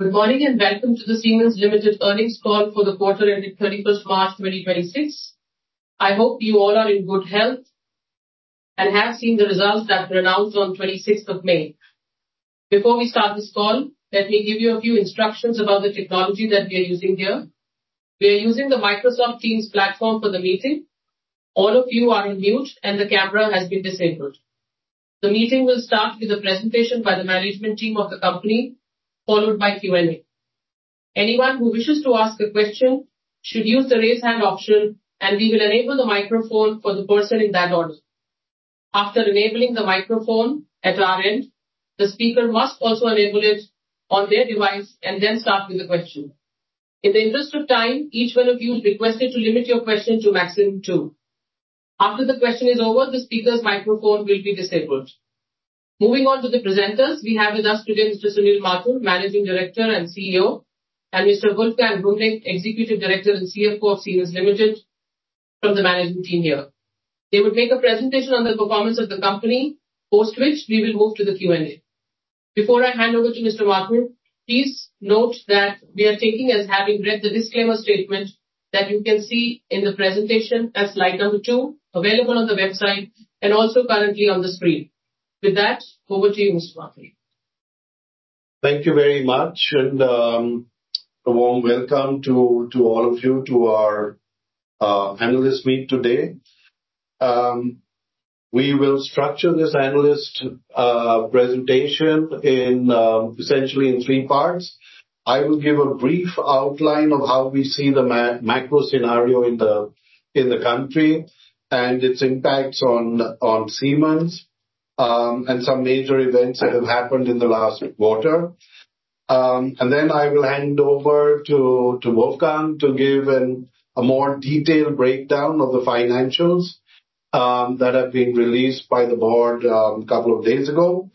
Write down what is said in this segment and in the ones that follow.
Good morning. Welcome to the Siemens Limited earnings call for the quarter ended 31st March 2026. I hope you all are in good health and have seen the results that were announced on 26th of May. Before we start this call, let me give you a few instructions about the technology that we are using here. We are using the Microsoft Teams platform for the meeting. All of you are on mute, and the camera has been disabled. The meeting will start with a presentation by the management team of the company, followed by Q&A. Anyone who wishes to ask a question should use the Raise Hand option, and we will enable the microphone for the person in that order. After enabling the microphone at our end, the speaker must also enable it on their device and then start with the question. In the interest of time, each one of you is requested to limit your question to maximum two. After the question is over, the speaker's microphone will be disabled. Moving on to the presenters, we have with us today Mr. Sunil Mathur, Managing Director and CEO, and Mr. Wolfgang Wurmning, Executive Director and CFO of Siemens Limited from the management team here. They will make a presentation on the performance of the company, post which we will move to the Q&A. Before I hand over to Mr. Mathur, please note that we are taking as having read the disclaimer statement that you can see in the presentation as slide number two, available on the website, and also currently on the screen. With that, over to you, Mr. Mathur. Thank you very much, a warm welcome to all of you to our analyst meet today. We will structure this analyst presentation essentially in three parts. I will give a brief outline of how we see the macro scenario in the country and its impacts on Siemens, and some major events that have happened in the last quarter. Then I will hand over to Wolfgang to give a more detailed breakdown of the financials that have been released by the board a couple of days ago.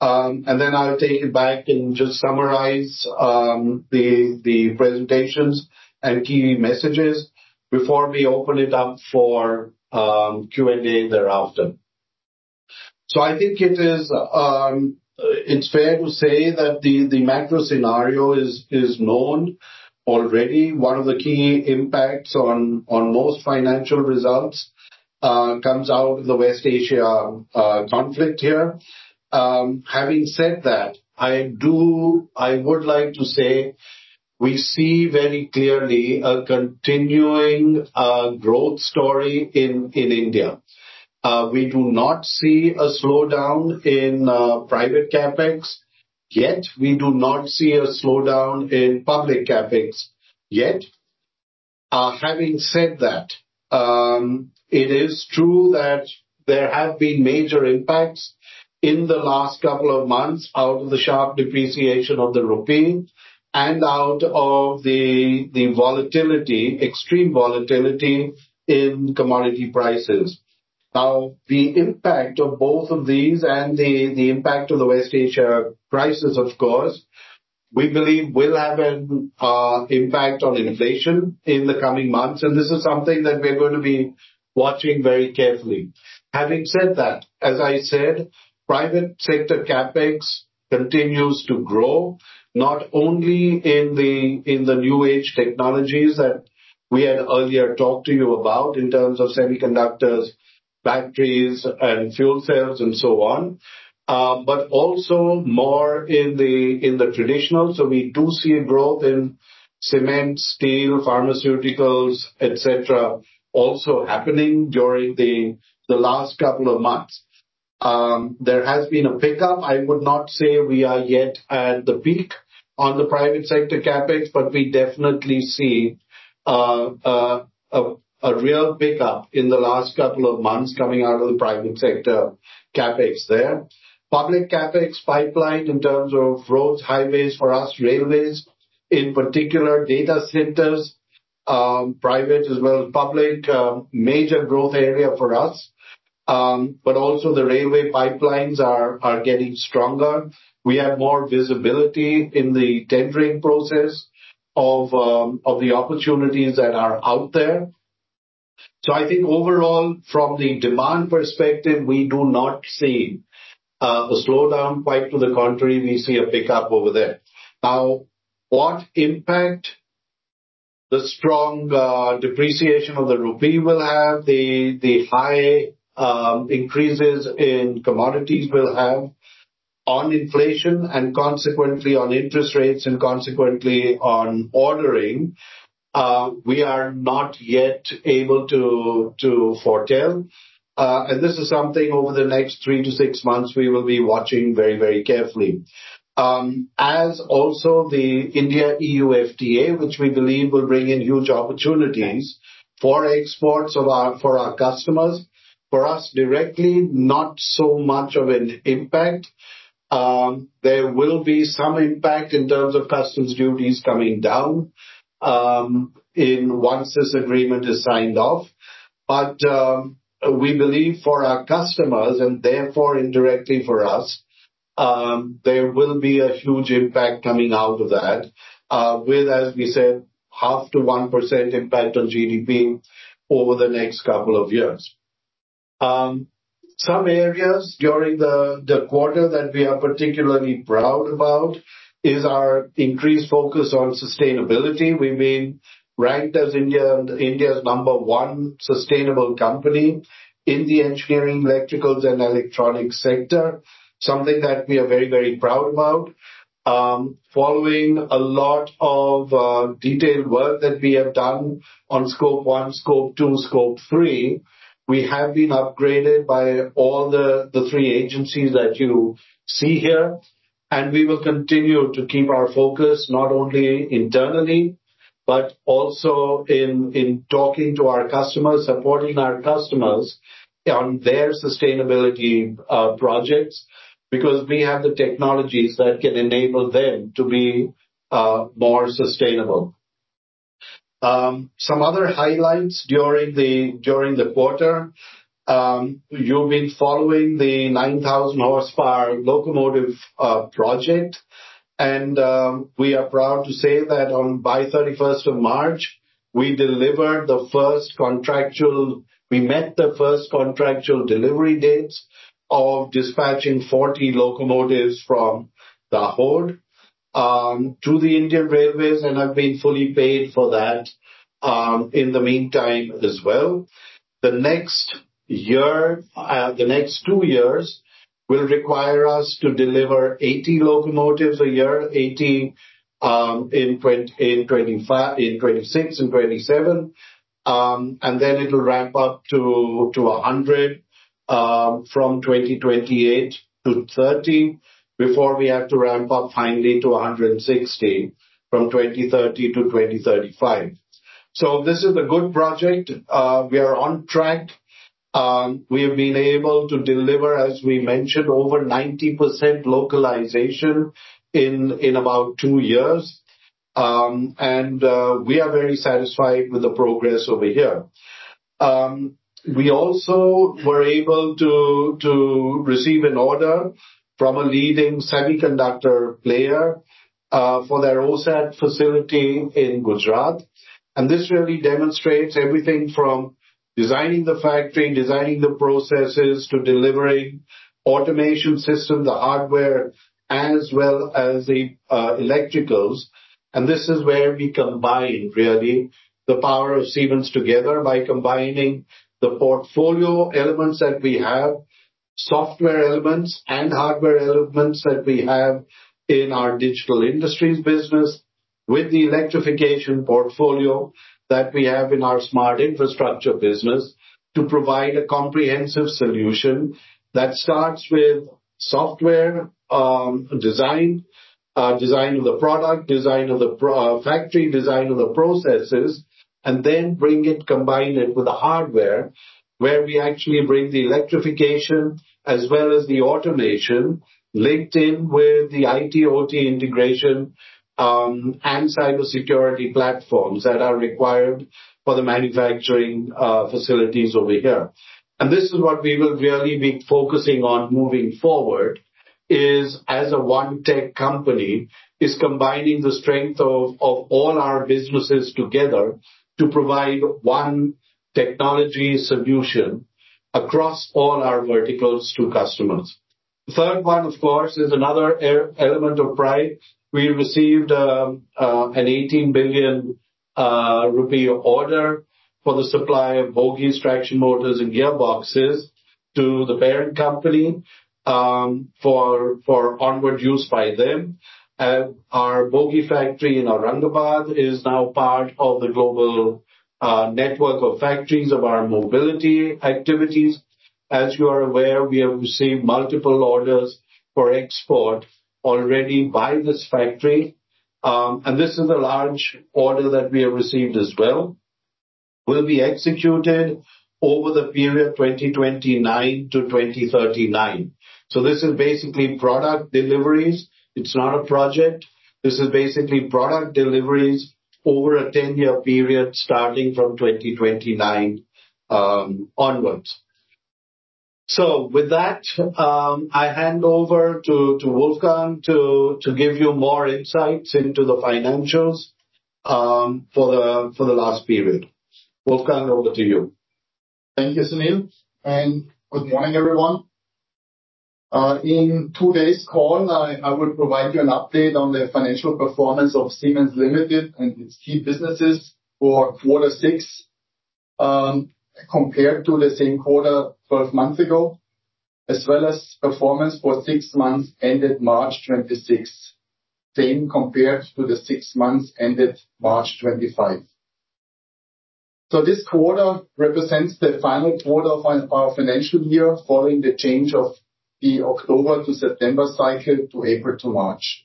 Then I'll take it back and just summarize the presentations and key messages before we open it up for Q&A thereafter. I think it's fair to say that the macro scenario is known already. One of the key impacts on most financial results comes out of the West Asia conflict here. Having said that, I would like to say we see very clearly a continuing growth story in India. We do not see a slowdown in private CapEx yet. We do not see a slowdown in public CapEx yet. Having said that, it is true that there have been major impacts in the last couple of months out of the sharp depreciation of the rupee and out of the volatility, extreme volatility, in commodity prices. The impact of both of these and the impact of the West Asia prices, of course, we believe will have an impact on inflation in the coming months. This is something that we're going to be watching very carefully. Having said that, as I said, private sector CapEx continues to grow, not only in the new age technologies that we had earlier talked to you about in terms of semiconductors, batteries, and fuel cells, and so on, but also more in the traditional. We do see a growth in cement, steel, pharmaceuticals, et cetera, also happening during the last couple of months. There has been a pickup. I would not say we are yet at the peak on the private sector CapEx, but we definitely see a real pickup in the last couple of months coming out of the private sector CapEx there. Public CapEx pipeline in terms of roads, highways for us, railways, in particular data centers, private as well as public, major growth area for us. Also the railway pipelines are getting stronger. We have more visibility in the tendering process of the opportunities that are out there. I think overall, from the demand perspective, we do not see a slowdown. Quite to the contrary, we see a pickup over there. What impact the strong depreciation of the rupee will have, the high increases in commodities will have on inflation, and consequently on interest rates, and consequently on ordering, we are not yet able to foretell. This is something over the next three to six months we will be watching very carefully. As also the India-EU FTA, which we believe will bring in huge opportunities for exports for our customers. For us directly, not so much of an impact. There will be some impact in terms of customs duties coming down once this agreement is signed off. We believe for our customers, and therefore indirectly for us, there will be a huge impact coming out of that with, as we said, 0.5% to 1% impact on GDP over the next couple of years. Some areas during the quarter that we are particularly proud about is our increased focus on sustainability. We've been ranked as India's number 1 sustainable company in the engineering, electricals, and electronics sector. Something that we are very proud about. Following a lot of detailed work that we have done on Scope 1, Scope 2, Scope 3, we have been upgraded by all the 3 agencies that you see here. We will continue to keep our focus, not only internally, but also in talking to our customers, supporting our customers on their sustainability projects, because we have the technologies that can enable them to be more sustainable. Some other highlights during the quarter. You've been following the 9000-horsepower locomotive project. We are proud to say that by 31st of March, we met the first contractual delivery dates of dispatching 40 locomotives from Dahod to the Indian Railways and have been fully paid for that in the meantime as well. The next two years will require us to deliver 80 locomotives a year, 80 in 2026 and 2027. It'll ramp up to 100 from 2028 to 2030, before we have to ramp up finally to 160 from 2030 to 2035. This is a good project. We are on track. We have been able to deliver, as we mentioned, over 90% localization in about two years. We are very satisfied with the progress over here. We also were able to receive an order from a leading semiconductor player for their OSAT facility in Gujarat. This really demonstrates everything from designing the factory, designing the processes, to delivering automation system, the hardware, as well as the electricals. This is where we combine really the power of Siemens together by combining the portfolio elements that we have, software elements and hardware elements that we have in our Digital Industries business with the electrification portfolio that we have in our Smart Infrastructure business to provide a comprehensive solution that starts with software design of the product, design of the factory, design of the processes, then combine it with the hardware where we actually bring the electrification as well as the automation linked in with the IT/OT integration, and cybersecurity platforms that are required for the manufacturing facilities over here. This is what we will really be focusing on moving forward is as a one tech company is combining the strength of all our businesses together to provide one technology solution across all our verticals to customers. The third one, of course, is another element of pride. We received an 18 billion rupee order for the supply of bogies, traction motors, and gearboxes to the parent company, for onward use by them. Our bogie factory in Aurangabad is now part of the global network of factories of our Mobility activities. As you are aware, we have received multiple orders for export already by this factory. This is a large order that we have received as well. Will be executed over the period 2029 to 2039. This is basically product deliveries. It's not a project. This is basically product deliveries over a 10-year period, starting from 2029 onwards. With that, I hand over to Wolfgang to give you more insights into the financials for the last period. Wolfgang, over to you. Thank you, Sunil, and good morning, everyone. In today's call, I will provide you an update on the financial performance of Siemens Limited and its key businesses for Q6, compared to the same quarter 12 months ago, as well as performance for 6 months ended March 26, same compared to the 6 months ended March 25. This quarter represents the final quarter of our financial year following the change of the October-to-September cycle to April-to-March.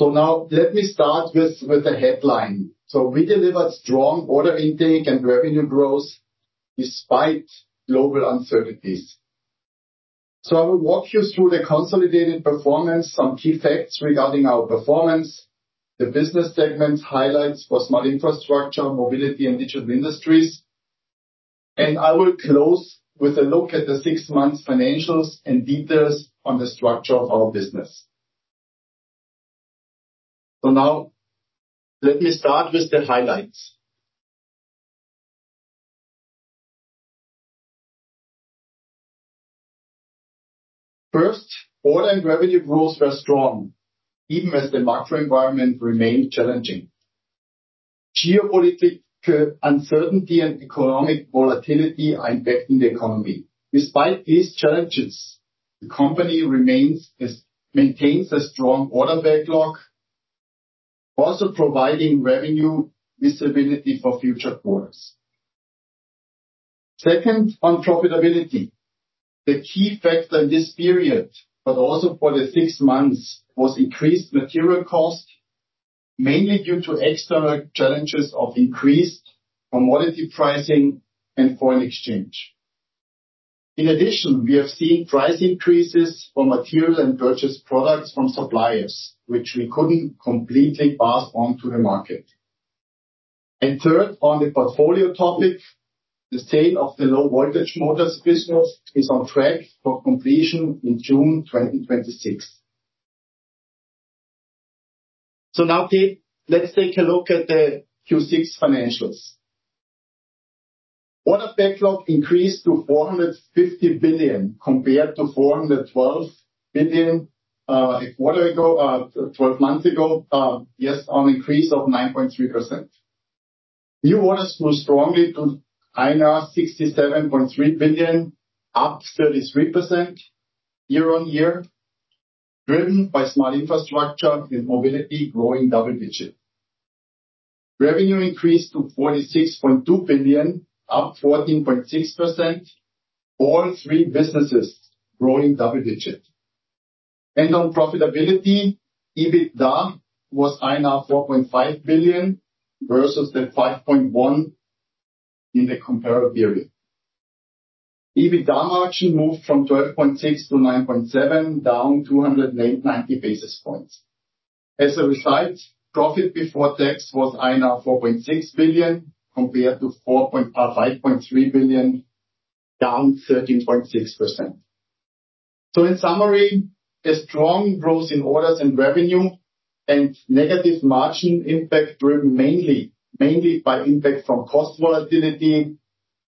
Now let me start with the headline. We delivered strong order intake and revenue growth despite global uncertainties. I will walk you through the consolidated performance, some key facts regarding our performance, the business segments, highlights for Smart Infrastructure, Mobility, and Digital Industries. I will close with a look at the six months financials and details on the structure of our business. Now let me start with the highlights. First, order and revenue growth were strong, even as the macro environment remained challenging. Geopolitical uncertainty and economic volatility are impacting the economy. Despite these challenges, the company maintains a strong order backlog, also providing revenue visibility for future quarters. Second, on profitability, the key factor in this period, but also for the six months, was increased material cost, mainly due to external challenges of increased commodity pricing and foreign exchange. In addition, we have seen price increases for materials and purchased products from suppliers, which we couldn't completely pass on to the market. Third, on the portfolio topic, the sale of the Low Voltage Motors business is on track for completion in June 2026. Now, Pete, let's take a look at the Q6 financials. Order backlog increased to 450 billion compared to 412 billion a quarter ago, 12 months ago, yes, an increase of 9.3%. New orders grew strongly to INR 67.3 billion, up 33% year-on-year, driven by Smart Infrastructure and Mobility growing double digits. Revenue increased to 46.2 billion, up 14.6%, all three businesses growing double digits. On profitability, EBITDA was 4.5 billion versus the 5.1 billion in the comparable period. EBITDA margin moved from 12.6% to 9.7%, down 290 basis points. As a result, profit before tax was 4.6 billion compared to 5.3 billion, down 13.6%. In summary, a strong growth in orders and revenue and negative margin impact driven mainly by impact from cost volatility,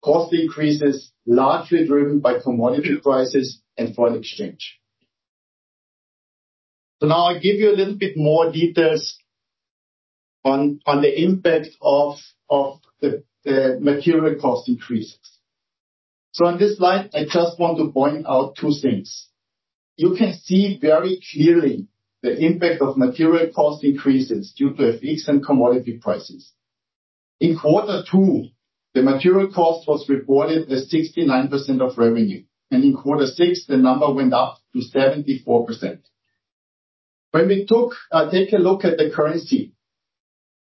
cost increases largely driven by commodity prices and foreign exchange. Now I give you a little bit more details on the impact of the material cost increases. On this slide, I just want to point out two things. You can see very clearly the impact of material cost increases due to FX and commodity prices. In quarter two, the material cost was reported as 69% of revenue, and in Q6, the number went up to 74%. When we take a look at the currency,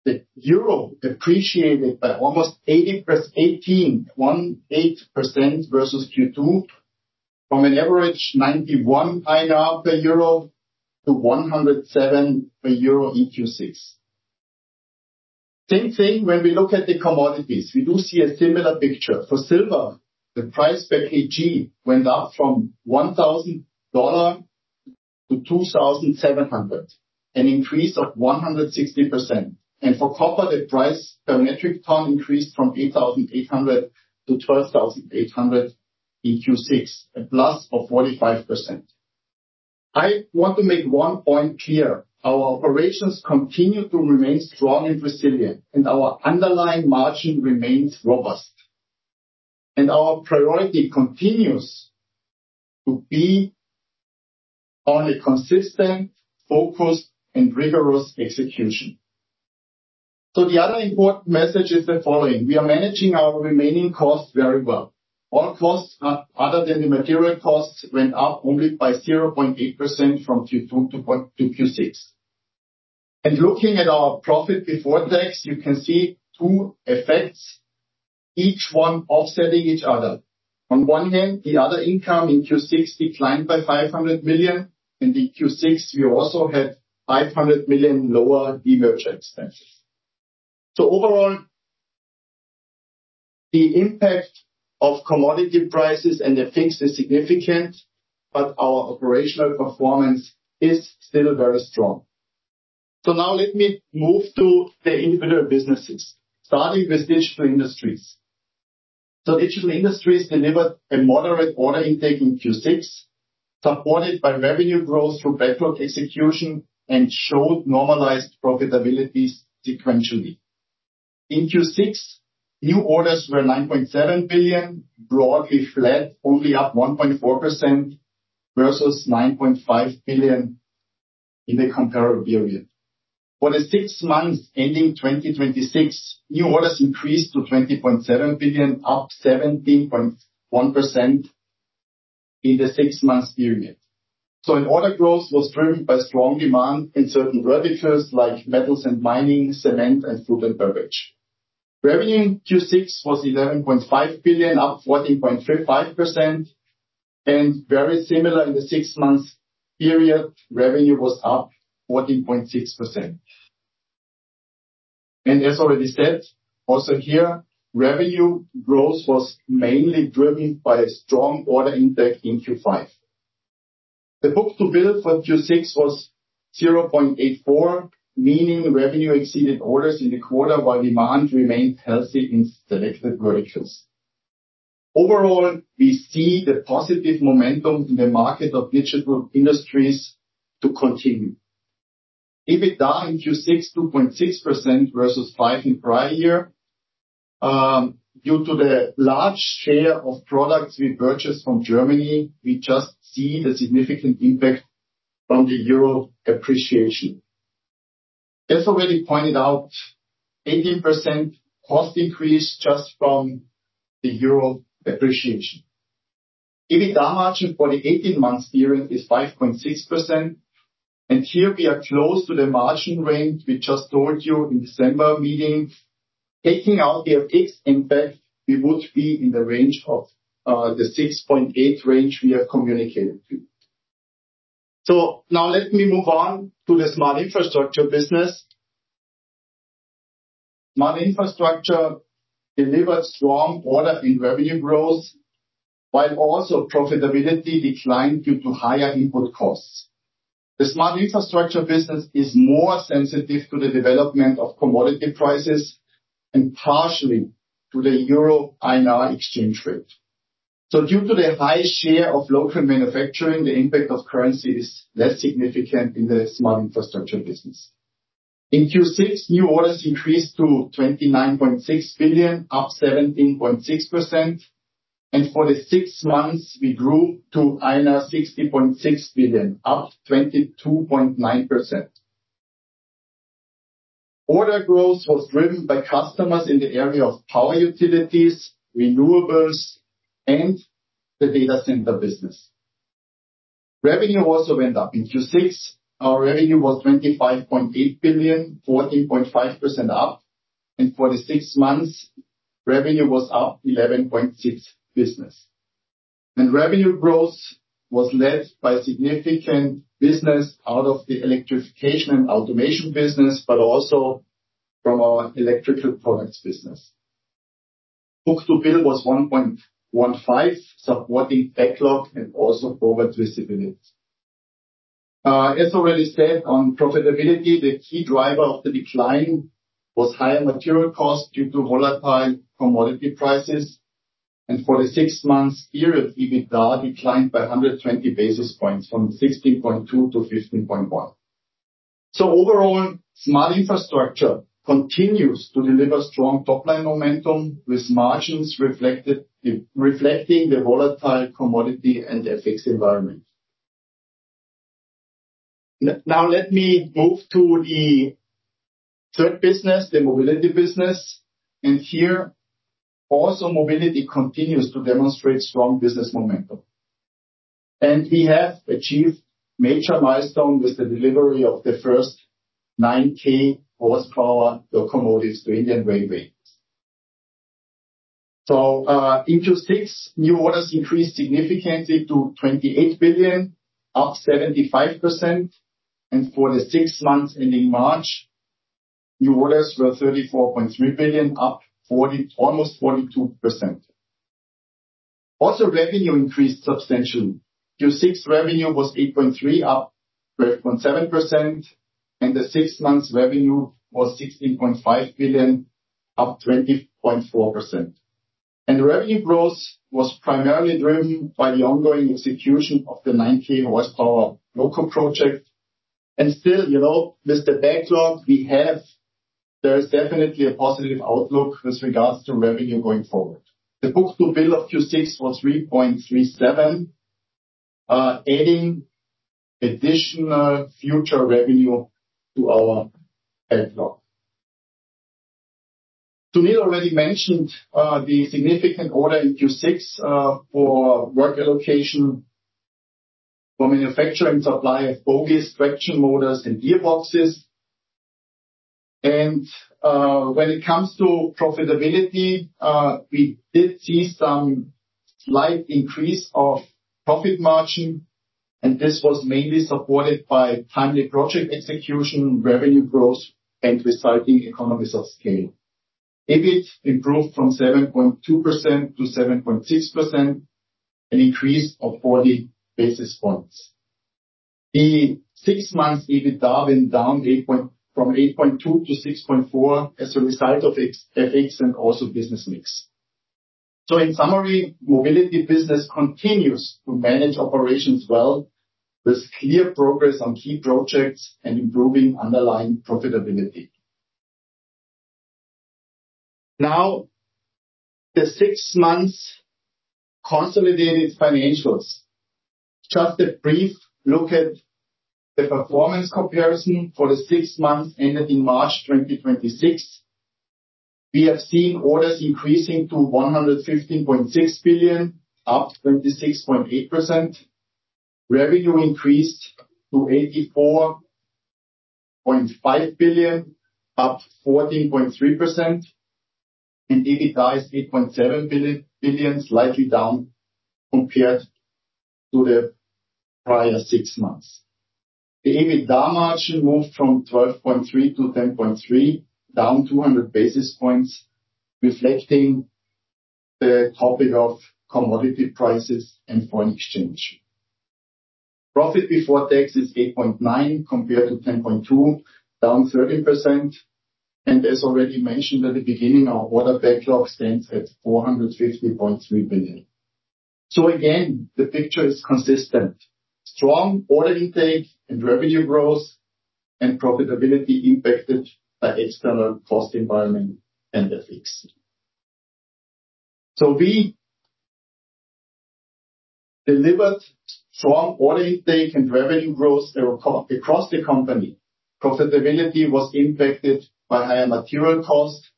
the euro appreciated by almost 18.18% versus Q2 from an average 91 INR per euro to 107 per euro in Q6. Same thing, when we look at the commodities, we do see a similar picture. For silver, the price per kg went up from $1,000 to $2,700, an increase of 160%. For copper, the price per metric ton increased from 8,800 to 12,800 in Q6, a 45%+. I want to make one point clear. Our operations continue to remain strong and resilient, our underlying margin remains robust. Our priority continues to be on a consistent, focused, and rigorous execution. The other important message is the following. We are managing our remaining costs very well. All costs other than the material costs went up only by 0.8% from Q2 to Q6. Looking at our profit before tax, you can see two effects, each one offsetting each other. On one hand, the other income in Q6 declined by 500 million, in Q6, we also had 500 million lower demerger expenses. Overall, the impact of commodity prices and the FX is significant, but our operational performance is still very strong. Now let me move to the individual businesses, starting with Digital Industries. Digital Industries delivered a moderate order intake in Q6, supported by revenue growth through backlog execution and showed normalized profitability sequentially. In Q6, new orders were 9.7 billion, broadly flat, only up 1.4% versus 9.5 billion in the comparable period. For the six months ending 2026, new orders increased to 20.7 billion, up 17.1% in the six months period. Order growth was driven by strong demand in certain verticals like metals and mining, cement and food and beverage. Revenue in Q6 was 11.5 billion, up 14.5%, and very similar in the six months period, revenue was up 14.6%. As already said, also here, revenue growth was mainly driven by a strong order impact in Q5. The book-to-bill for Q6 was 0.84, meaning revenue exceeded orders in the quarter, while demand remained healthy in selected verticals. Overall, we see the positive momentum in the market of Digital Industries to continue. EBITDA in Q6, 2.6% versus 5% in prior year. Due to the large share of products we purchased from Germany, we just see the significant impact from the EUR appreciation. As already pointed out, 18% cost increase just from the EUR appreciation. EBITDA margin for the 18-months period is 5.6%, and here we are close to the margin range we just told you in December meeting. Taking out the FX impact, we would be in the range of the 6.8% range we have communicated to you. Now let me move on to the Smart Infrastructure business. Smart Infrastructure delivered strong order in revenue growth, while also profitability declined due to higher input costs. The Smart Infrastructure business is more sensitive to the development of commodity prices and partially to the euro-INR exchange rate. Due to the high share of local manufacturing, the impact of currency is less significant in the Smart Infrastructure business. In Q6, new orders increased to 29.6 billion, up 17.6%. For the six months, we grew to 60.6 billion, up 22.9%. Order growth was driven by customers in the area of power utilities, renewables, and the data center business. Revenue also went up. In Q6, our revenue was 25.8 billion, 14.5% up. For the six months, revenue was up 11.6%. Revenue growth was led by significant business out of the electrification and automation business, but also from our electrical products business. Book-to-bill was 1.15, supporting backlog and also forward visibility. As already said, on profitability, the key driver of the decline was higher material cost due to volatile commodity prices. For the six months period, EBITDA declined by 120 basis points from 16.2% to 15.1%. Overall, Smart Infrastructure continues to deliver strong top-line momentum, with margins reflecting the volatile commodity and FX environment. Let me move to the third business, the Mobility business. Here, also Mobility continues to demonstrate strong business momentum. We have achieved major milestone with the delivery of the first 9,000-horsepower locomotives to Indian Railways. In Q6, new orders increased significantly to 28 billion, up 75%. For the six months ending March, new orders were 34.3 billion, up 42%. Also, revenue increased substantially. Q6 revenue was 8.3, up 12.7%, and the 6 months revenue was 16.5 billion, up 20.4%. Revenue growth was primarily driven by the ongoing execution of the 9,000-horsepower loco project. Still, with the backlog we have, there is definitely a positive outlook with regards to revenue going forward. The book-to-bill of Q6 was 3.37, adding additional future revenue to our backlog. Sunil already mentioned the significant order in Q6 for work allocation for manufacture and supply of bogies, traction motors, and gearboxes. When it comes to profitability, we did see some slight increase of profit margin, and this was mainly supported by timely project execution, revenue growth, and resulting economies of scale. EBIT improved from 7.2% to 7.6%, an increase of 40 basis points. The six months EBITDA went down from 8.2 to 6.4 as a result of FX and also business mix. In summary, Mobility business continues to manage operations well, with clear progress on key projects and improving underlying profitability. Now, the six months consolidated financials. Just a brief look at the performance comparison for the six months ended in March 2026. We have seen orders increasing to 115.6 billion, up 26.8%. Revenue increased to 84.5 billion, up 14.3%. EBITDA is 8.7 billion, slightly down compared to the prior six months. The EBITDA margin moved from 12.3% to 10.3%, down 200 basis points, reflecting the topic of commodity prices and foreign exchange. Profit before tax is 8.9 compared to 10.2, down 13%. As already mentioned at the beginning, our order backlog stands at 450.3 billion. Again, the picture is consistent. Strong order intake and revenue growth and profitability impacted by external cost environment and FX. We delivered strong order intake and revenue growth across the company. Profitability was impacted by higher material costs,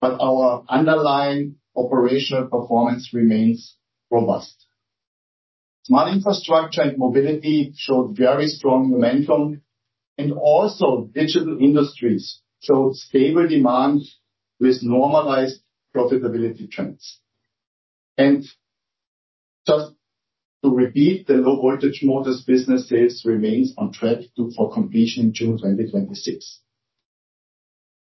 but our underlying operational performance remains robust. Smart Infrastructure and Mobility showed very strong momentum, and also Digital Industries showed stable demand with normalized profitability trends. Just to repeat, the Low Voltage Motors businesses remains on track for completion June 2026.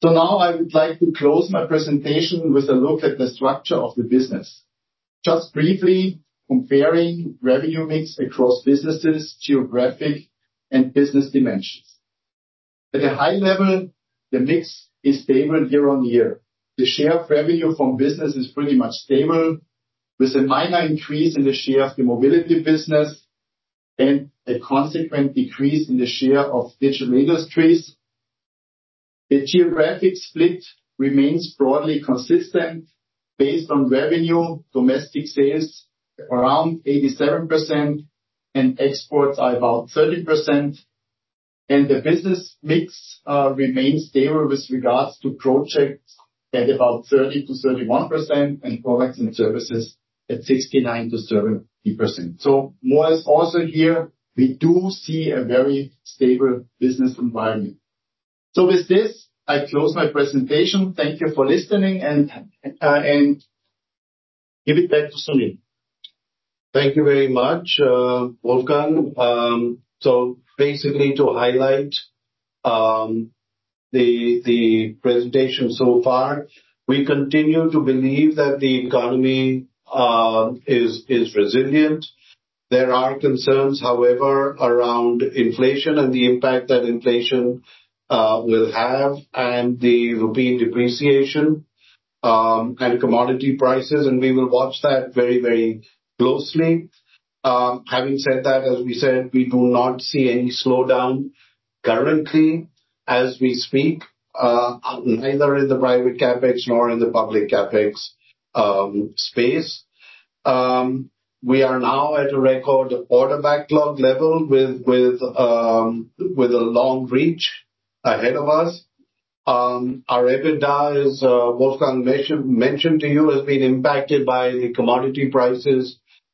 Now I would like to close my presentation with a look at the structure of the business, just briefly comparing revenue mix across businesses, geographic and business dimensions. At a high level, the mix is stable year on year. The share of revenue from business is pretty much stable, with a minor increase in the share of the Mobility business and a consequent decrease in the share of Digital Industries. The geographic split remains broadly consistent based on revenue, domestic sales are around 87%, and exports are about 30%. The business mix remains stable with regards to projects at about 30%-31%, and products and services at 69%-70%. More is also here, we do see a very stable business environment. With this, I close my presentation. Thank you for listening and give it back to Sunil. Thank you very much, Wolfgang. Basically to highlight the presentation so far, we continue to believe that the economy is resilient. There are concerns, however, around inflation and the impact that inflation will have and the rupee depreciation and commodity prices, we will watch that very closely. Having said that, as we said, we do not see any slowdown currently as we speak, neither in the private CapEx nor in the public CapEx space. We are now at a record order backlog level with a long reach ahead of us. Our EBITDA, as Wolfgang mentioned to you, has been impacted by commodity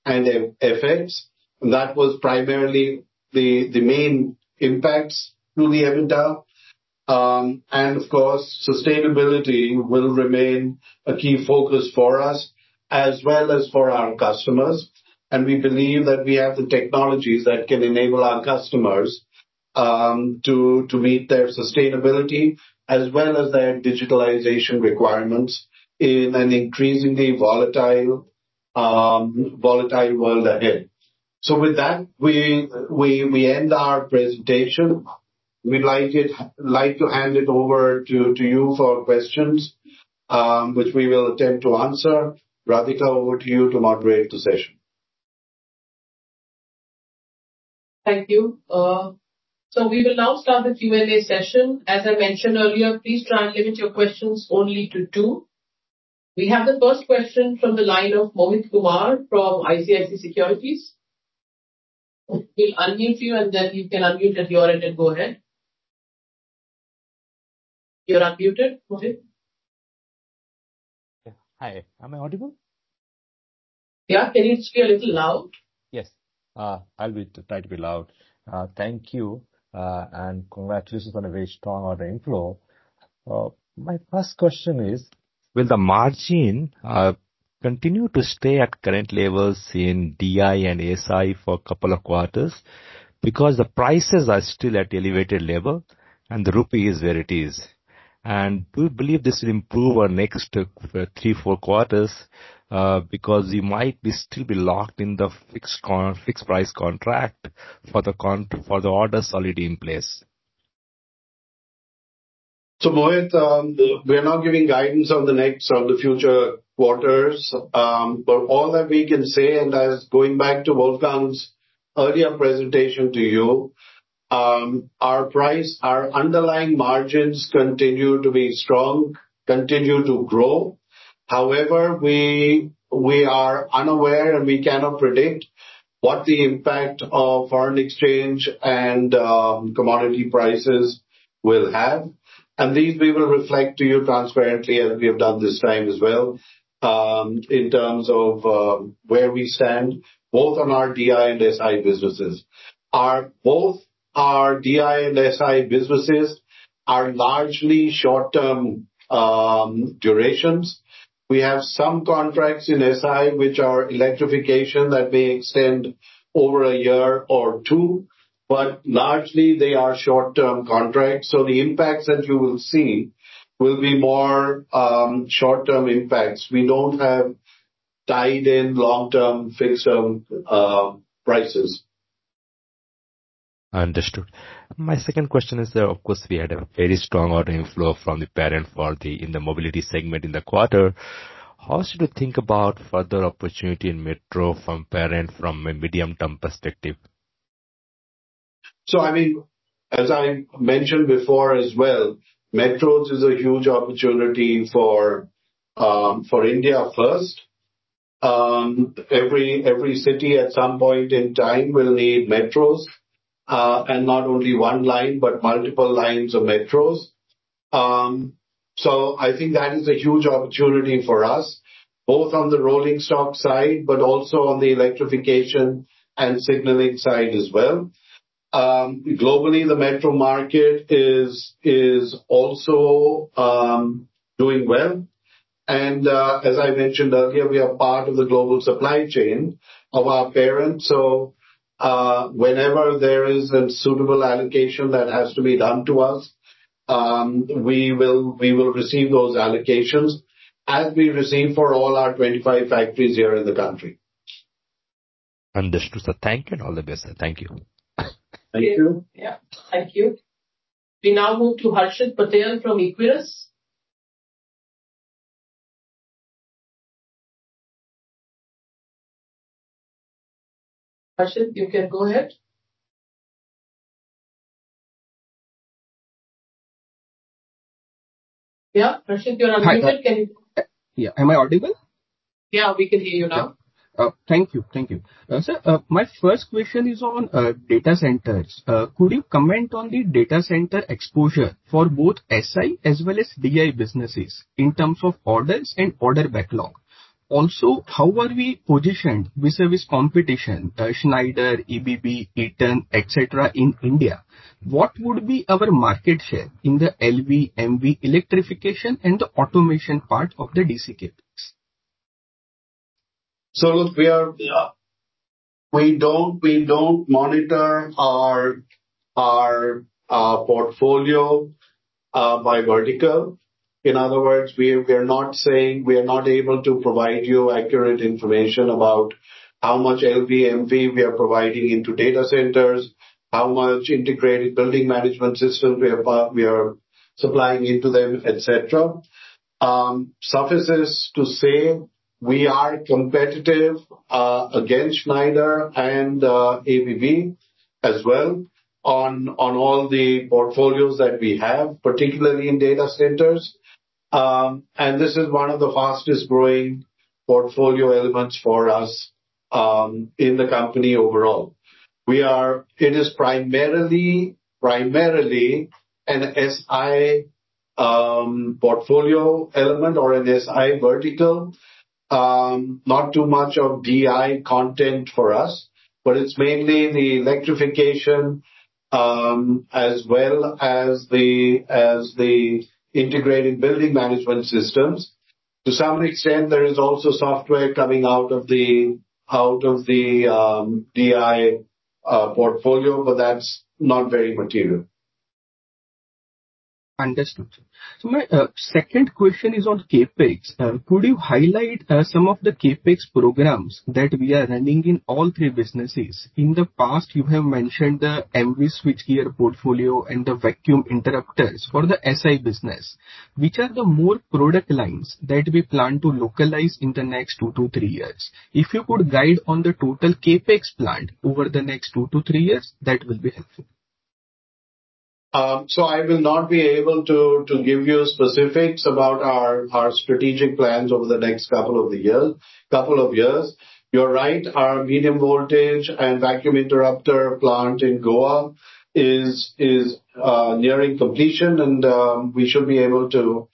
prices and FX. That was primarily the main impacts to the EBITDA. Of course, sustainability will remain a key focus for us as well as for our customers, and we believe that we have the technologies that can enable our customers to meet their sustainability as well as their digitalization requirements in an increasingly volatile world ahead. With that, we end our presentation. We'd like to hand it over to you for questions, which we will attempt to answer. Radhika, over to you to moderate the session. Thank you. We will now start the Q&A session. As I mentioned earlier, please try and limit your questions only to two. We have the first question from the line of Mohit Kumar from ICICI Securities. We'll unmute you, and then you can unmute at your end and go ahead. You're unmuted, Mohit. Yeah. Hi, am I audible? Yeah. Can you speak a little loud? Yes. I'll try to be loud. Thank you, and congratulations on a very strong order inflow. My first question is, will the margin continue to stay at current levels in DI and SI for couple of quarters? Because the prices are still at elevated level and the rupee is where it is. Do you believe this will improve our next three, four quarters, because we might still be locked in the fixed price contract for the orders already in place. Mohit, we are not giving guidance on the future quarters. All that we can say, and that is going back to Wolfgang's earlier presentation to you, our price, our underlying margins continue to be strong, continue to grow. However, we are unaware and we cannot predict what the impact of foreign exchange and commodity prices will have. These we will reflect to you transparently as we have done this time as well, in terms of where we stand both on our DI and SI businesses. Our DI and SI businesses are largely short-term durations. We have some contracts in SI which are electrification that may extend over a year or two. Largely, they are short-term contracts. So the impacts that you will see will be more short-term impacts. We don't have tied in long-term fixed prices. Understood. My second question is, of course, we had a very strong ordering flow from the parent in the Mobility segment in the quarter. How should we think about further opportunity in metro from parent from a medium-term perspective? As I mentioned before as well, metros is a huge opportunity for India first. Every city at some point in time will need metros. Not only one line, but multiple lines of metros. I think that is a huge opportunity for us, both on the rolling stock side, but also on the electrification and signaling side as well. Globally, the metro market is also doing well. As I mentioned earlier, we are part of the global supply chain of our parent. Whenever there is a suitable allocation that has to be done to us, we will receive those allocations as we receive for all our 25 factories here in the country. Understood, sir. Thank you and all the best. Thank you. Thank you. Yeah. Thank you. We now move to Harshit Patel from Equirus. Harshit, you can go ahead. Yeah, Harshit, you're on mute. Hi. Yeah. Am I audible? Yeah, we can hear you now. Thank you. Sir, my first question is on data centers. Could you comment on the data center exposure for both SI as well as DI businesses in terms of orders and order backlog? How are we positioned vis-a-vis competition, Schneider, ABB, Eaton, et cetera, in India? What would be our market share in the LV, MV electrification and the automation part of the DC CapEx? Look, we don't monitor our portfolio by vertical. In other words, we are not able to provide you accurate information about how much LV, MV we are providing into data centers, how much integrated building management system we are supplying into them, et cetera. Suffices to say, we are competitive against Schneider and ABB as well on all the portfolios that we have, particularly in data centers. This is one of the fastest growing portfolio elements for us in the company overall. It is primarily an SI portfolio element or an SI vertical. Not too much of DI content for us, but it's mainly the electrification, as well as the integrated building management systems. To some extent, there is also software coming out of the DI portfolio, but that's not very material. Understood. My second question is on CapEx. Could you highlight some of the CapEx programs that we are running in all three businesses? In the past, you have mentioned the MV switchgear portfolio and the vacuum interrupters for the SI business. Which are the more product lines that we plan to localize in the next two to three years? If you could guide on the total CapEx plan over the next two to three years, that will be helpful. I will not be able to give you specifics about our strategic plans over the next couple of years. You're right, our Medium-Voltage and vacuum interrupter plant in Goa is nearing completion and we should be able to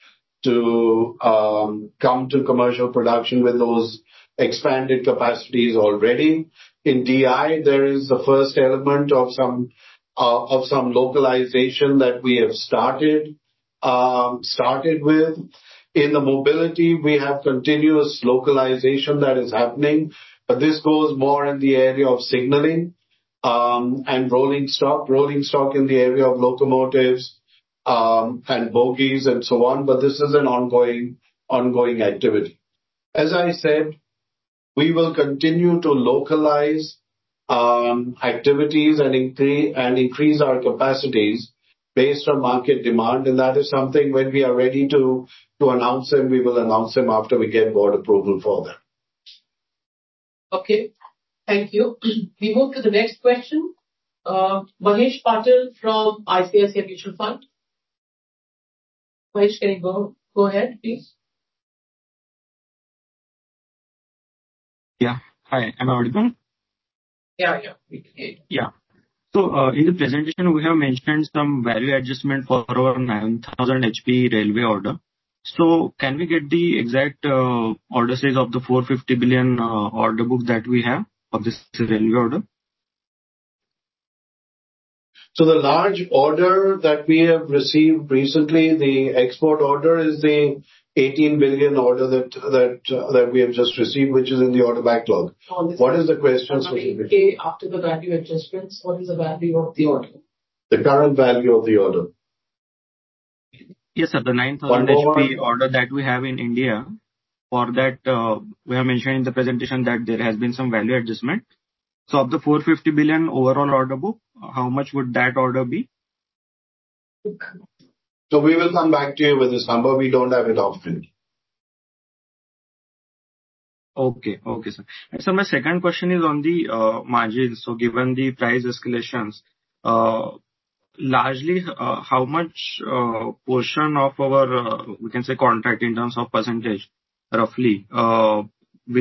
come to commercial production with those expanded capacities already. In DI, there is the first element of some localization that we have started with. In Mobility, we have continuous localization that is happening, but this goes more in the area of signaling and rolling stock. Rolling stock in the area of locomotives and bogies and so on, but this is an ongoing activity. As I said, we will continue to localize activities and increase our capacities based on market demand. That is something when we are ready to announce them, we will announce them after we get board approval for them. Okay. Thank you. We move to the next question. Mahesh Patil from ICICI Mutual Fund. Mahesh, can you go ahead, please? Yeah. Hi. Am I audible? Yeah. Yeah. In the presentation, we have mentioned some value adjustment for our 9,000-HP railway order. Can we get the exact order size of the 450 billion order book that we have of this railway order? The large order that we have received recently, the export order is the 18 billion order that we have just received, which is in the order backlog. What is the question specifically? After the value adjustments, what is the value of the order? The current value of the order. Yes, sir. The 9,000-HP order that we have in India, for that, we have mentioned in the presentation that there has been some value adjustment. Of the 450 billion overall order book, how much would that order be? We will come back to you with this number. We don't have it offhand. Okay. Okay, sir. My second question is on the margins. Given the price escalations, largely, how much portion of our, we can say contract in terms of percentage, roughly, will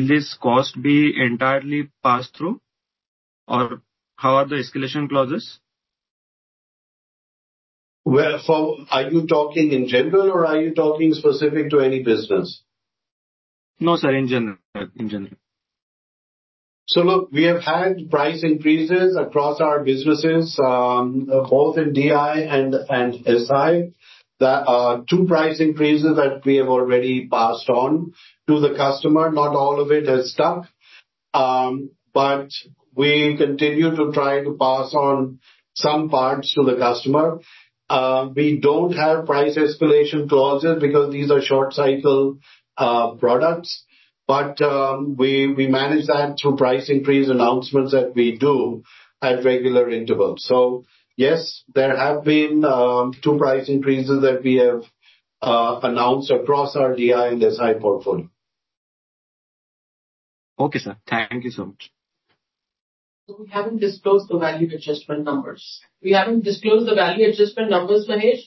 this cost be entirely passed through? Or how are the escalation clauses? Well, are you talking in general or are you talking specific to any business? No, sir. In general. Look, we have had price increases across our businesses, both in DI and SI. There are two price increases that we have already passed on to the customer. Not all of it has stuck. We continue to try to pass on some parts to the customer. We don't have price escalation clauses because these are short cycle products. We manage that through price increase announcements that we do at regular intervals. Yes, there have been two price increases that we have announced across our DI and SI portfolio. Okay, sir. Thank you so much. We haven't disclosed the value adjustment numbers, Mahesh.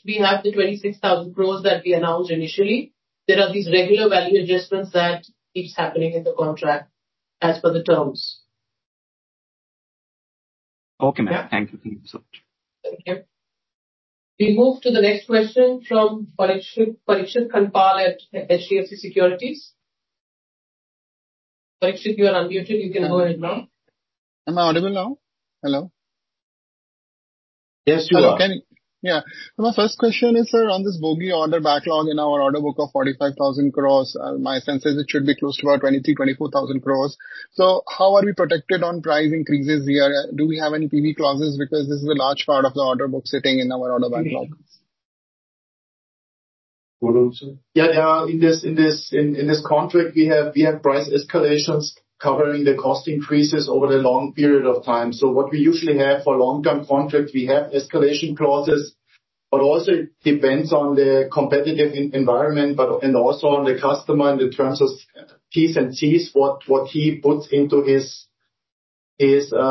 We have the 26,000 crores that we announced initially. There are these regular value adjustments that keep happening in the contract as per the terms. Okay, ma'am. Thank you so much. Thank you. We move to the next question from Parikshit Kandpal at HDFC Securities. Parikshit, you are unmuted, you can go ahead now. Am I audible now? Hello. Yes, you are. Hello. My first question is, sir, on this bogie order backlog in our order book of 45,000 crore. My sense is it should be close to about 23,000-24,000 crore. How are we protected on price increases here? Do we have any PV clauses because this is a large part of the order book sitting in our order backlog. Ulrich In this contract we have price escalations covering the cost increases over the long period of time. What we usually have for long-term contract, we have escalation clauses, but also it depends on the competitive environment, and also on the customer in the terms of T&Cs, what he puts into his RFPs.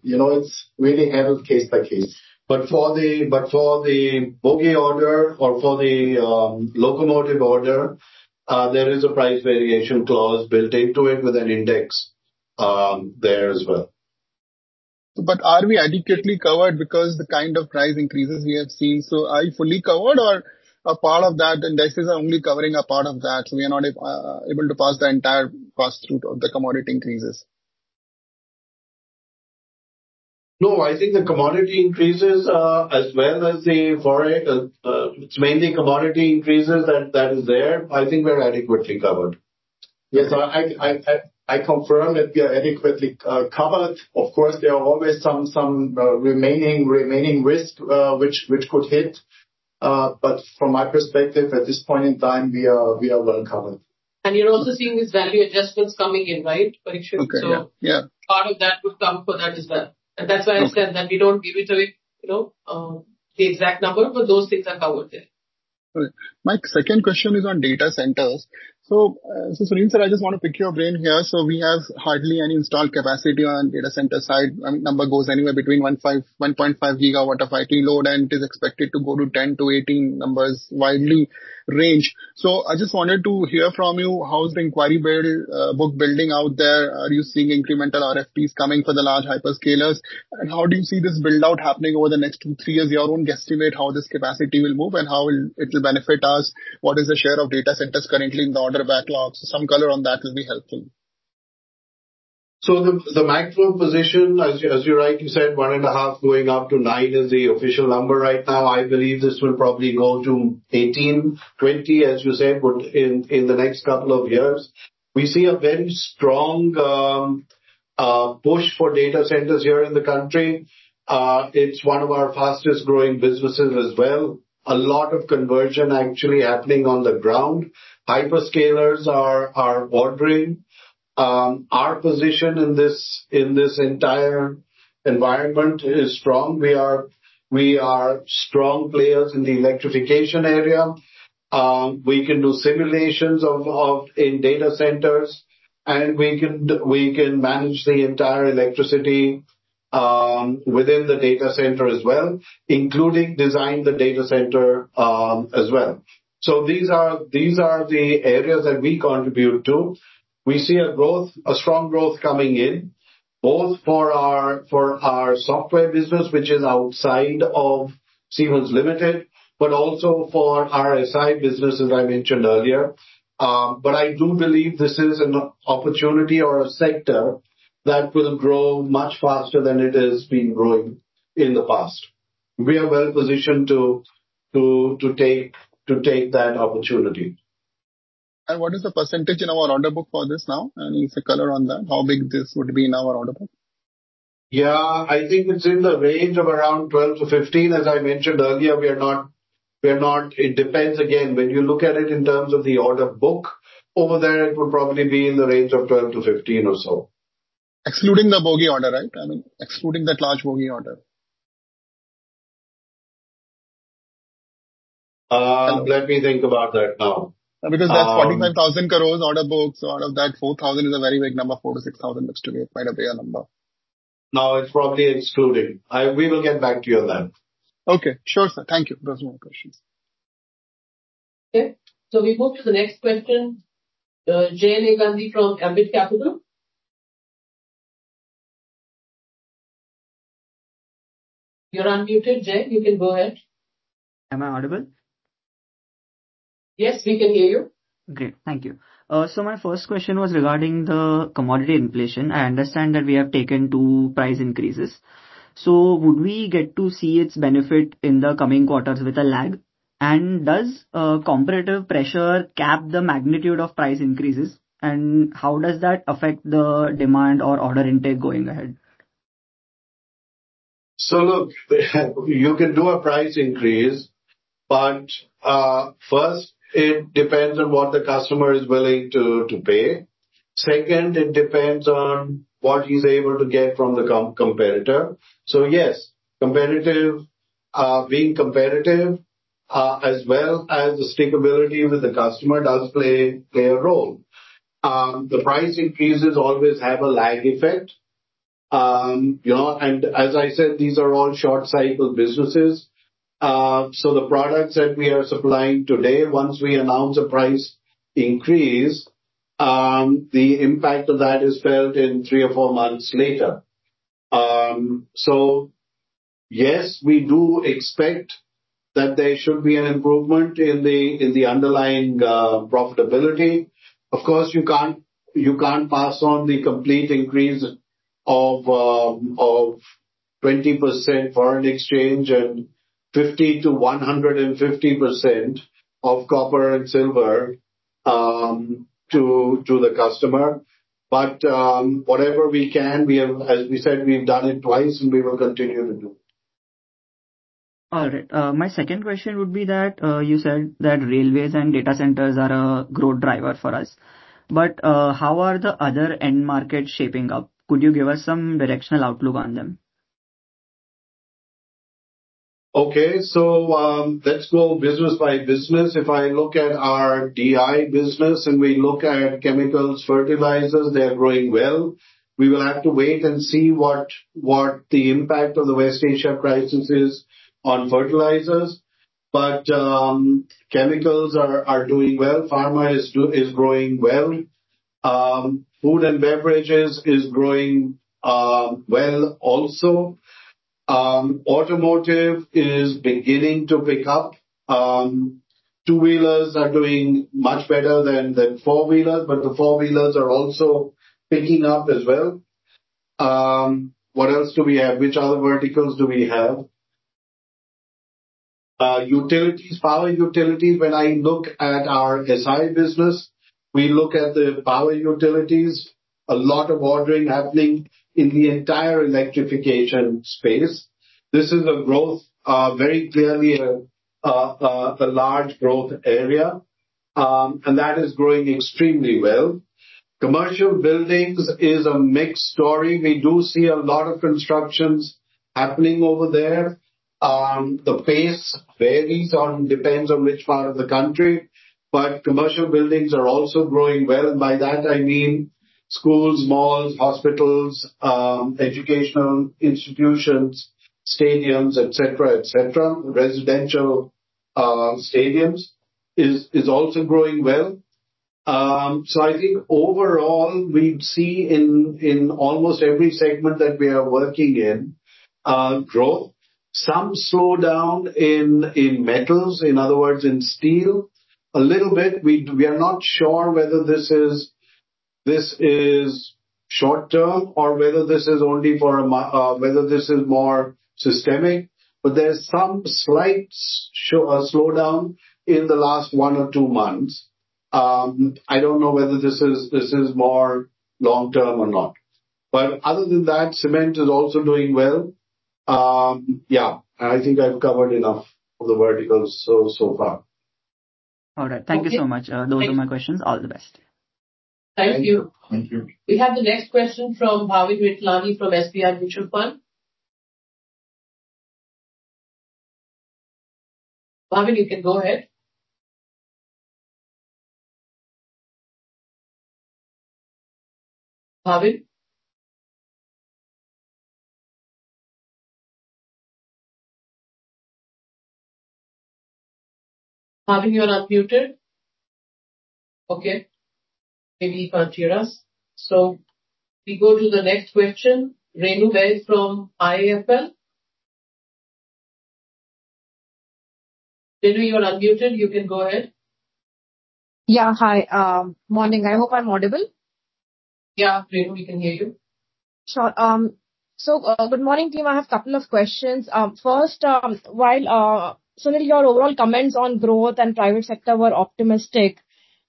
It's really handled case by case. For the bogie order or for the locomotive order, there is a Price Variation clause built into it with an index there as well. Are we adequately covered because the kind of price increases we have seen? Are we fully covered or a part of that indexes are only covering a part of that, so we are not able to pass the entire cost through to the commodity increases? I think the commodity increases. It's mainly commodity increases that is there. I think we're adequately covered. Yes. I confirm that we are adequately covered. Of course, there are always some remaining risk which could hit. From my perspective, at this point in time, we are well covered. You're also seeing these value adjustments coming in, right, Parikshit? Okay. Yeah. Part of that would come for that as well. That's why I said that we don't give it away, the exact number, but those things are covered there. All right. My second question is on data centers. Sunil sir, I just want to pick your brain here. We have hardly any installed capacity on data center side. Number goes anywhere between 1.5 gigawatts of IT load, and it is expected to go to 10 to 18 numbers, widely ranged. I just wanted to hear from you how's the inquiry book building out there. Are you seeing incremental RFPs coming for the large hyperscalers? How do you see this build-out happening over the next two, three years? Your own guesstimate how this capacity will move and how it will benefit us. What is the share of data centers currently in the order backlog? Some color on that will be helpful. The maximum position, as you rightly said, 1.5 Going up to 9 is the official number right now. I believe this will probably go to 18-20, as you said, in the next couple of years. We see a very strong push for data centers here in the country. It's one of our fastest growing businesses as well. A lot of conversion actually happening on the ground. Hyperscalers are ordering. Our position in this entire environment is strong. We are strong players in the electrification area. We can do simulations in data centers, and we can manage the entire electricity within the data center as well, including design the data center as well. These are the areas that we contribute to. We see a strong growth coming in, both for our software business, which is outside of Siemens Limited, but also for our SI business, as I mentioned earlier. I do believe this is an opportunity or a sector that will grow much faster than it has been growing in the past. We are well positioned to take that opportunity. What is the percentage in our order book for this now? If you color on that, how big this would be in our order book? I think it's in the range of around 12-15. As I mentioned earlier, it depends again, when you look at it in terms of the order book, over there, it would probably be in the range of 12-15 or so. Excluding the bogie order, right? I mean, excluding that large bogie order. Let me think about that now. That's 45,000 crores order book. Out of that 4,000 is a very big number. 4,000-6,000 looks to be quite a bigger number. No, it's probably excluded. We will get back to you on that. Okay. Sure, sir. Thank you. Those are my questions. Okay. We move to the next question. Jay Negandhi from Ambit Capital. You are unmuted, Jay. You can go ahead. Am I audible? Yes, we can hear you. Great. Thank you. My first question was regarding the commodity inflation. I understand that we have taken two price increases. Would we get to see its benefit in the coming quarters with a lag? Does competitive pressure cap the magnitude of price increases? How does that affect the demand or order intake going ahead? Look, you can do a price increase, but, first, it depends on what the customer is willing to pay. Second, it depends on what he's able to get from the competitor. Yes, being competitive, as well as the stickability with the customer does play a role. The price increases always have a lag effect. As I said, these are all short cycle businesses. The products that we are supplying today, once we announce a price increase, the impact of that is felt in three or four months later. Yes, we do expect that there should be an improvement in the underlying profitability. Of course, you can't pass on the complete increase of 20% foreign exchange and 50%-150% of copper and silver to the customer. Whatever we can, as we said, we've done it twice, and we will continue to do it. All right. My second question would be that you said that railways and data centers are a growth driver for us. How are the other end markets shaping up? Could you give us some directional outlook on them? Okay. Let's go business by business. If I look at our DI business and we look at chemicals, fertilizers, they are growing well. We will have to wait and see what the impact of the West Asia crisis is on fertilizers. Chemicals are doing well. Pharma is growing well. Food and beverages is growing well also. Automotive is beginning to pick up. Two-wheelers are doing much better than four-wheelers, the four-wheelers are also picking up as well. What else do we have? Which other verticals do we have? Power utilities. When I look at our SI business, we look at the power utilities, a lot of ordering happening in the entire electrification space. This is very clearly a large growth area, that is growing extremely well. Commercial buildings is a mixed story. We do see a lot of constructions happening over there. The pace varies depending on which part of the country, but commercial buildings are also growing well, and by that I mean schools, malls, hospitals, educational institutions, stadiums, et cetera. The residential segment is also growing well. I think overall, we see in almost every segment that we are working in growth. Some slowdown in metals, in other words, in steel a little bit. We are not sure whether this is short-term or whether this is more systemic, but there's some slight slowdown in the last one or two months. I don't know whether this is more long-term or not. Other than that, cement is also doing well. Yeah, I think I've covered enough of the verticals so far. All right. Thank you so much. Okay. Thank you. Those are my questions. All the best. Thank you. Thank you. We have the next question from Bhavin Vithlani from SBI Mutual Fund. Bhavin, you can go ahead. Bhavin? Bhavin, you are unmuted. Okay. Maybe he can't hear us. We go to the next question. Renu Baid from IIFL. Renu, you are unmuted, you can go ahead. Yeah. Hi. Morning, I hope I'm audible. Yeah, Renu, we can hear you. Sure. Good morning to you, I have a couple of questions. First, while, Sunil, your overall comments on growth and private sector were optimistic,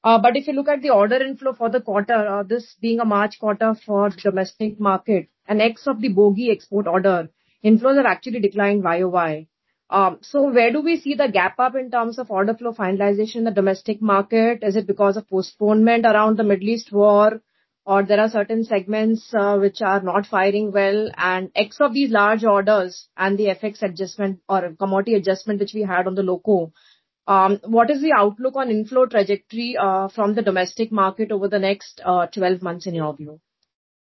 if you look at the order inflow for the quarter, this being a March quarter for domestic market and ex of the bogie export order, inflows have actually declined year-over-year. Where do we see the gap up in terms of order flow finalization in the domestic market? Is it because of postponement around the Middle East war or there are certain segments which are not firing well and ex of these large orders and the FX adjustment or commodity adjustment which we had on the loco, what is the outlook on inflow trajectory from the domestic market over the next 12 months in your view?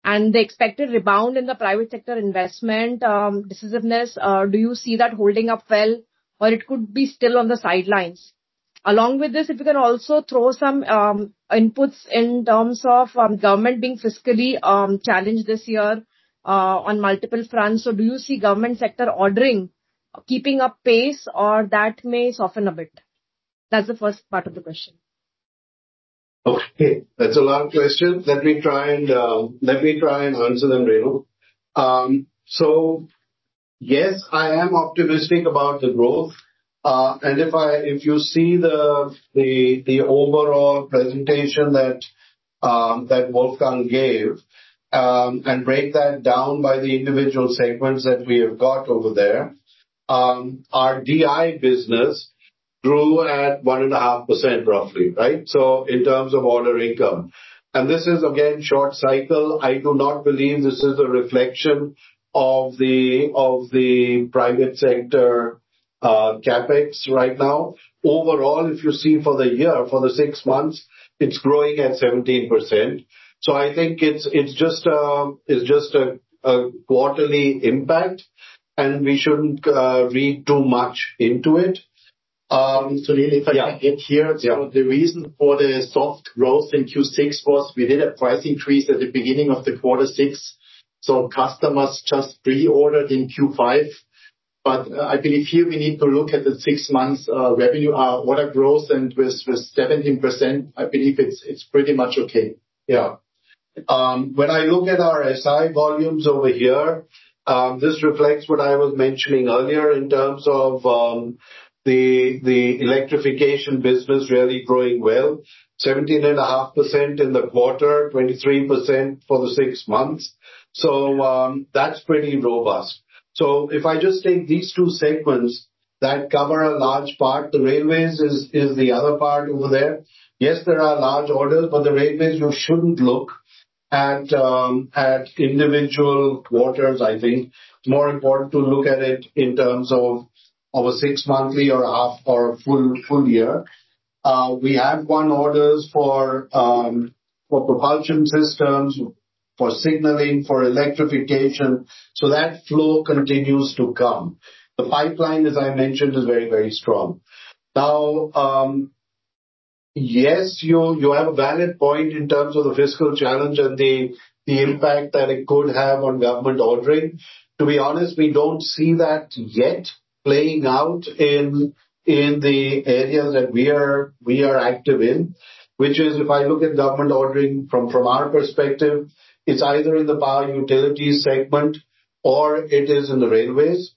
The expected rebound in the private sector investment decisiveness, do you see that holding up well or it could be still on the sidelines? Along with this, if you can also throw some inputs in terms of government being fiscally challenged this year on multiple fronts. Do you see government sector ordering keeping up pace or that may soften a bit? That's the first part of the question. Okay. That's a long question. Let me try and answer them, Renu. Yes, I am optimistic about the growth. If you see the overall presentation that Wolfgang gave, and break that down by the individual segments that we have got over there, our DI business grew at 1.5% roughly, right? In terms of order income. This is again short cycle. I do not believe this is a reflection of the private sector CapEx right now. Overall, if you see for the year, for the six months, it's growing at 17%. I think it's just a quarterly impact and we shouldn't read too much into it. Sunil, if I can get here. Yeah. The reason for the soft growth in Q6 was we did a price increase at the beginning of the Q6, so customers just pre-ordered in Q5. I believe here we need to look at the 6-months revenue order growth, and with 17%, I believe it's pretty much okay. Yeah. When I look at our SI volumes over here, this reflects what I was mentioning earlier in terms of the electrification business really growing well, 17.5% in the quarter, 23% for the 6-months. That's pretty robust. If I just take these two segments that cover a large part, the railways is the other part over there. Yes, there are large orders. The railways, you shouldn't look at individual quarters, I think. More important to look at it in terms of over 6-months or half or a full year. We have won orders for propulsion systems, for signaling, for electrification. That flow continues to come. The pipeline, as I mentioned, is very strong. Now, yes, you have a valid point in terms of the fiscal challenge and the impact that it could have on government ordering. To be honest, we don't see that yet playing out in the areas that we are active in. Which is, if I look at government ordering from our perspective, it's either in the power utilities segment or it is in the railways.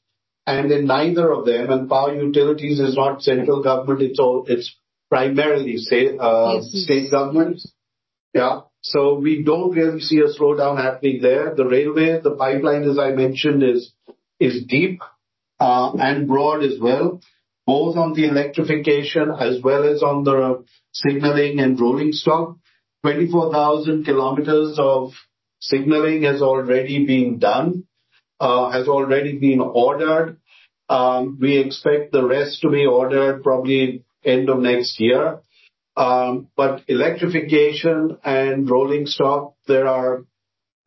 In neither of them, and power utilities is not central government, it's primarily state governments. Yes. We don't really see a slowdown happening there. The railway, the pipeline, as I mentioned, is deep and broad as well, both on the electrification as well as on the signaling and rolling stock. 24,000 kilometers of signaling has already been done, has already been ordered. We expect the rest to be ordered probably end of next year. Electrification and rolling stock, there are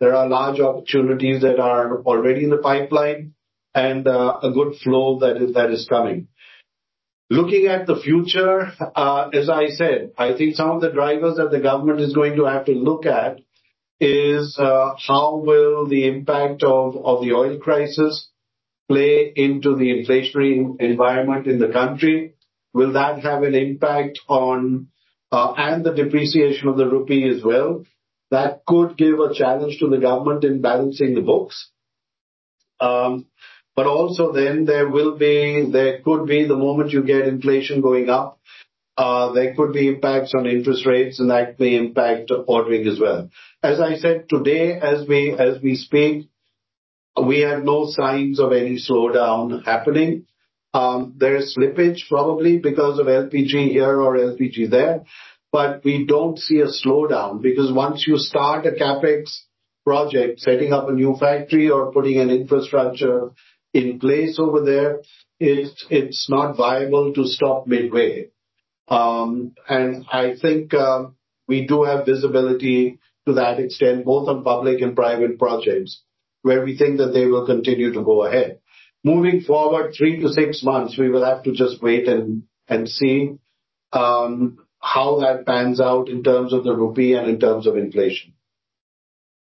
large opportunities that are already in the pipeline and a good flow that is coming. Looking at the future, as I said, I think some of the drivers that the government is going to have to look at is, how will the impact of the oil crisis play into the inflationary environment in the country? Will that have an impact on the depreciation of the rupee as well, that could give a challenge to the government in balancing the books. Also then there could be the moment you get inflation going up, there could be impacts on interest rates, and that may impact ordering as well. As I said today, as we speak, we have no signs of any slowdown happening. There is slippage probably because of LPG here or LPG there. We don't see a slowdown because once you start a CapEx project, setting up a new factory or putting an infrastructure in place over there, it's not viable to stop midway. I think we do have visibility to that extent, both on public and private projects. Where we think that they will continue to go ahead. Moving forward three to six months, we will have to just wait and see how that pans out in terms of the rupee and in terms of inflation.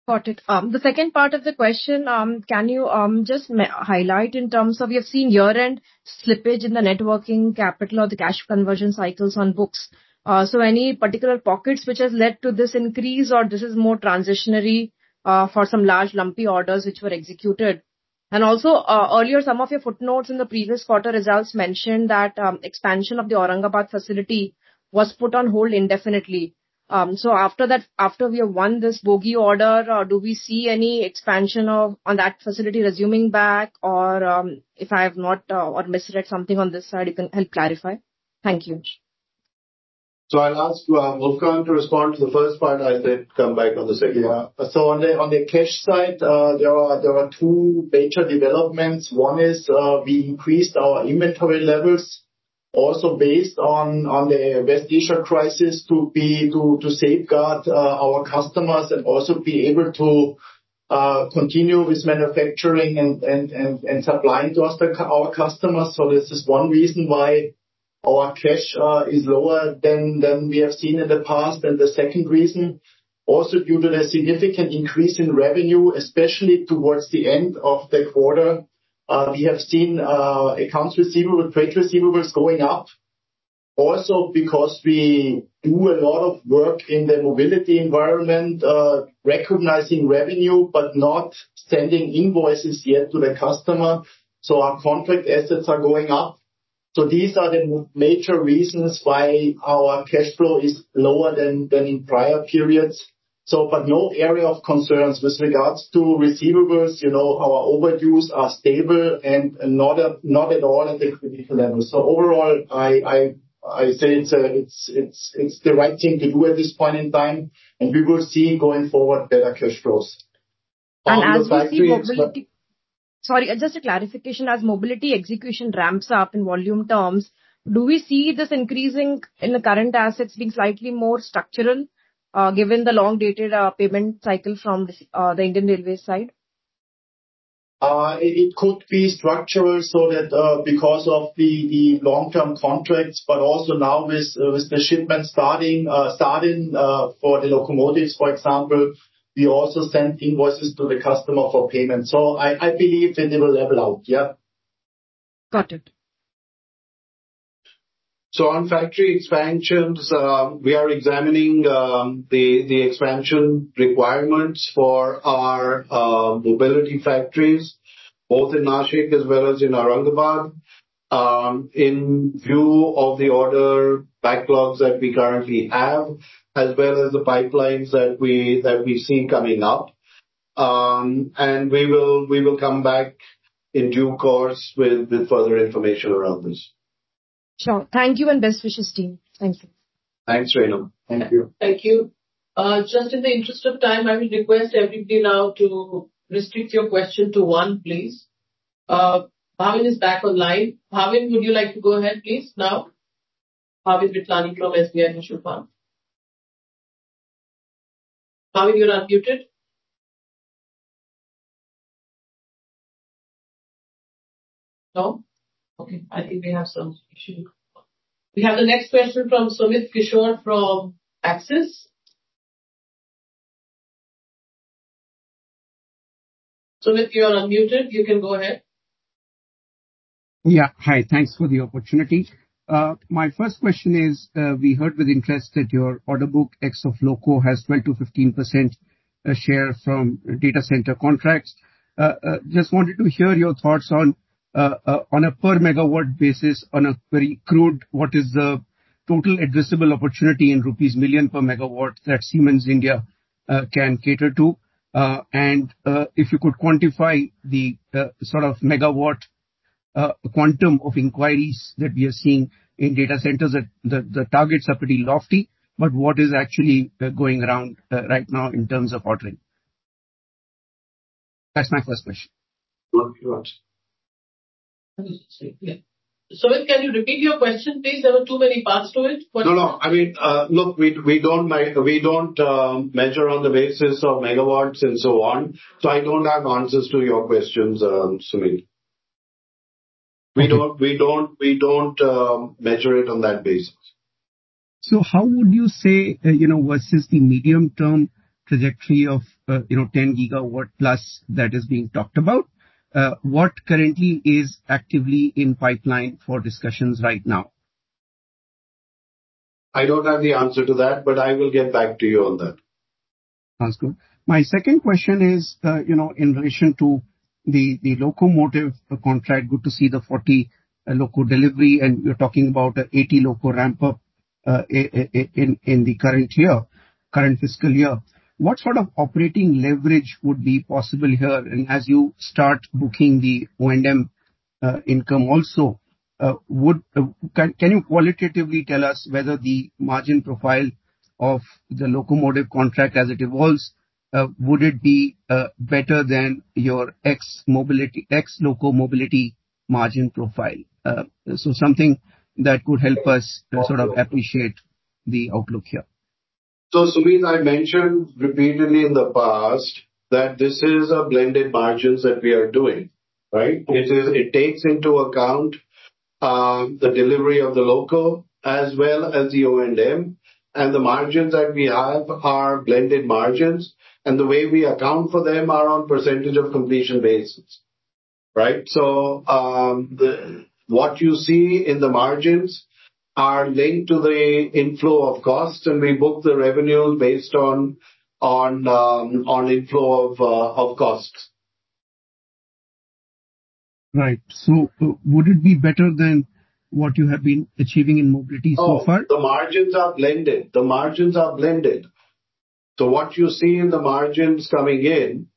Got it. The second part of the question, can you just highlight in terms of, you have seen year-end slippage in the net working capital or the cash conversion cycles on books. Any particular pockets which has led to this increase or this is more transitionary for some large lumpy orders which were executed? Also, earlier, some of your footnotes in the previous quarter results mentioned that expansion of the Aurangabad facility was put on hold indefinitely. After we have won this bogie order, do we see any expansion on that facility resuming back? If I have not or misread something on this side, you can help clarify. Thank you. I'll ask Wolfgang to respond to the first part and I said come back on the second. On the cash side, there were two major developments. One is we increased our inventory levels, also based on the West Asia crisis, to safeguard our customers and also be able to continue with manufacturing and supplying to our customers. This is one reason why our cash is lower than we have seen in the past. The second reason, also due to the significant increase in revenue, especially towards the end of the quarter, we have seen accounts receivable, trade receivables going up. Because we do a lot of work in the Mobility environment, recognizing revenue but not sending invoices yet to the customer. Our contract assets are going up. These are the major reasons why our cash flow is lower than in prior periods. No area of concerns with regards to receivables. Our overdues are stable and not at all at a critical level. Overall, I say it's the right thing to do at this point in time, and we will see going forward better cash flows. As we see Mobility execution ramps up in volume terms, do we see this increasing in the current assets being slightly more structural, given the long dated payment cycle from the Indian Railways side? It could be structural because of the long-term contracts, also now with the shipment starting for the locomotives, for example, we also send invoices to the customer for payment. I believe that they will level out. Yeah. Got it. On factory expansions, we are examining the expansion requirements for our Mobility factories, both in Nashik as well as in Aurangabad, in view of the order backlogs that we currently have, as well as the pipelines that we see coming up. We will come back in due course with further information around this. Sure. Thank you, and best wishes team. Thank you. Thanks, Renu. Thank you. Thank you. Just in the interest of time, I will request everybody now to restrict your question to one, please. Bhavin is back online. Bhavin, would you like to go ahead, please, now? Bhavin Vithlani from SBI Mutual Fund. Bhavin, you are muted. No? Okay, I think we have some issue. We have the next question from Sumit Kishore from Axis. Sumit, you are unmuted. You can go ahead. Yeah. Hi. Thanks for the opportunity. My first question is, we heard with interest that your order book ex loco has 12%-15% share from data center contracts. Just wanted to hear your thoughts on a per megawatt basis, on a very crude, what is the total addressable opportunity in rupees million per megawatt that Siemens India can cater to? If you could quantify the megawatt quantum of inquiries that we are seeing in data centers. The targets are pretty lofty, but what is actually going around right now in terms of ordering? That's my first question. Thank you, Sumit. One second. Sumit, can you repeat your question, please? There were too many parts to it. No, no. Look, we don't measure on the basis of megawatts and so on. I don't have answers to your questions, Sumit. Okay. We don't measure it on that basis. How would you say, versus the medium term trajectory of 10+ gigawatt that is being talked about, what currently is actively in pipeline for discussions right now? I don't have the answer to that, but I will get back to you on that. Sounds good. My second question is, in relation to the locomotive contract, good to see the 40 loco delivery, you're talking about a 80 loco ramp up in the current fiscal year. What sort of operating leverage would be possible here? As you start booking the O&M income also, can you qualitatively tell us whether the margin profile of the locomotive contract as it evolves, would it be better than your ex loco Mobility margin profile? Something that could help us sort of appreciate the outlook here. Sumit, I mentioned repeatedly in the past that this is a blended margins that we are doing, right? It takes into account the delivery of the loco as well as the O&M. The margins that we have are blended margins. The way we account for them are on percentage of completion basis. Right? What you see in the margins are linked to the inflow of cost, and we book the revenue based on inflow of costs. Right. Would it be better than what you have been achieving in Mobility so far? Oh, the margins are blended. What you see in the margins coming in,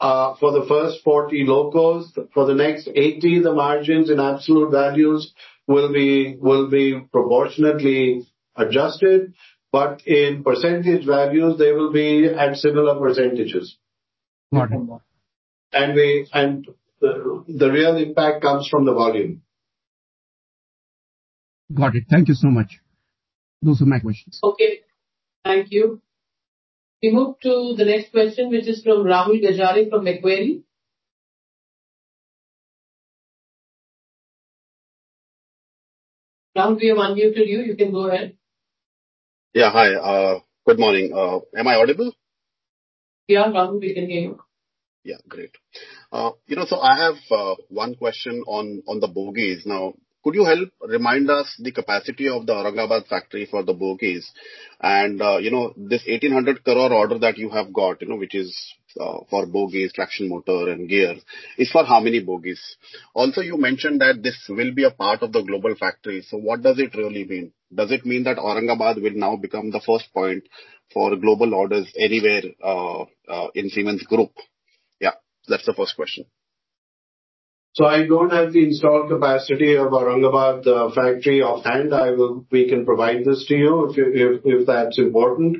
for the first 40 locos, for the next 80, the margins in absolute values will be proportionately adjusted. In percentage values, they will be at similar percentages. Got it. The real impact comes from the volume. Got it. Thank you so much. Those are my questions. Okay. Thank you. We move to the next question, which is from Rahul Gajare from Macquarie. Rahul, we have unmuted you. You can go ahead. Yeah. Hi. Good morning. Am I audible? Yeah, Rahul. We can hear you. Yeah. Great. I have one question on the bogies. Could you help remind us the capacity of the Aurangabad factory for the bogies and this 1,800 crore order that you have got, which is for bogies, traction motor, and gear, is for how many bogies? You mentioned that this will be a part of the global factory. What does it really mean? Does it mean that Aurangabad will now become the first point for global orders anywhere in Siemens Group? That's the first question. I don't have the installed capacity of Aurangabad factory offhand. We can provide this to you if that's important.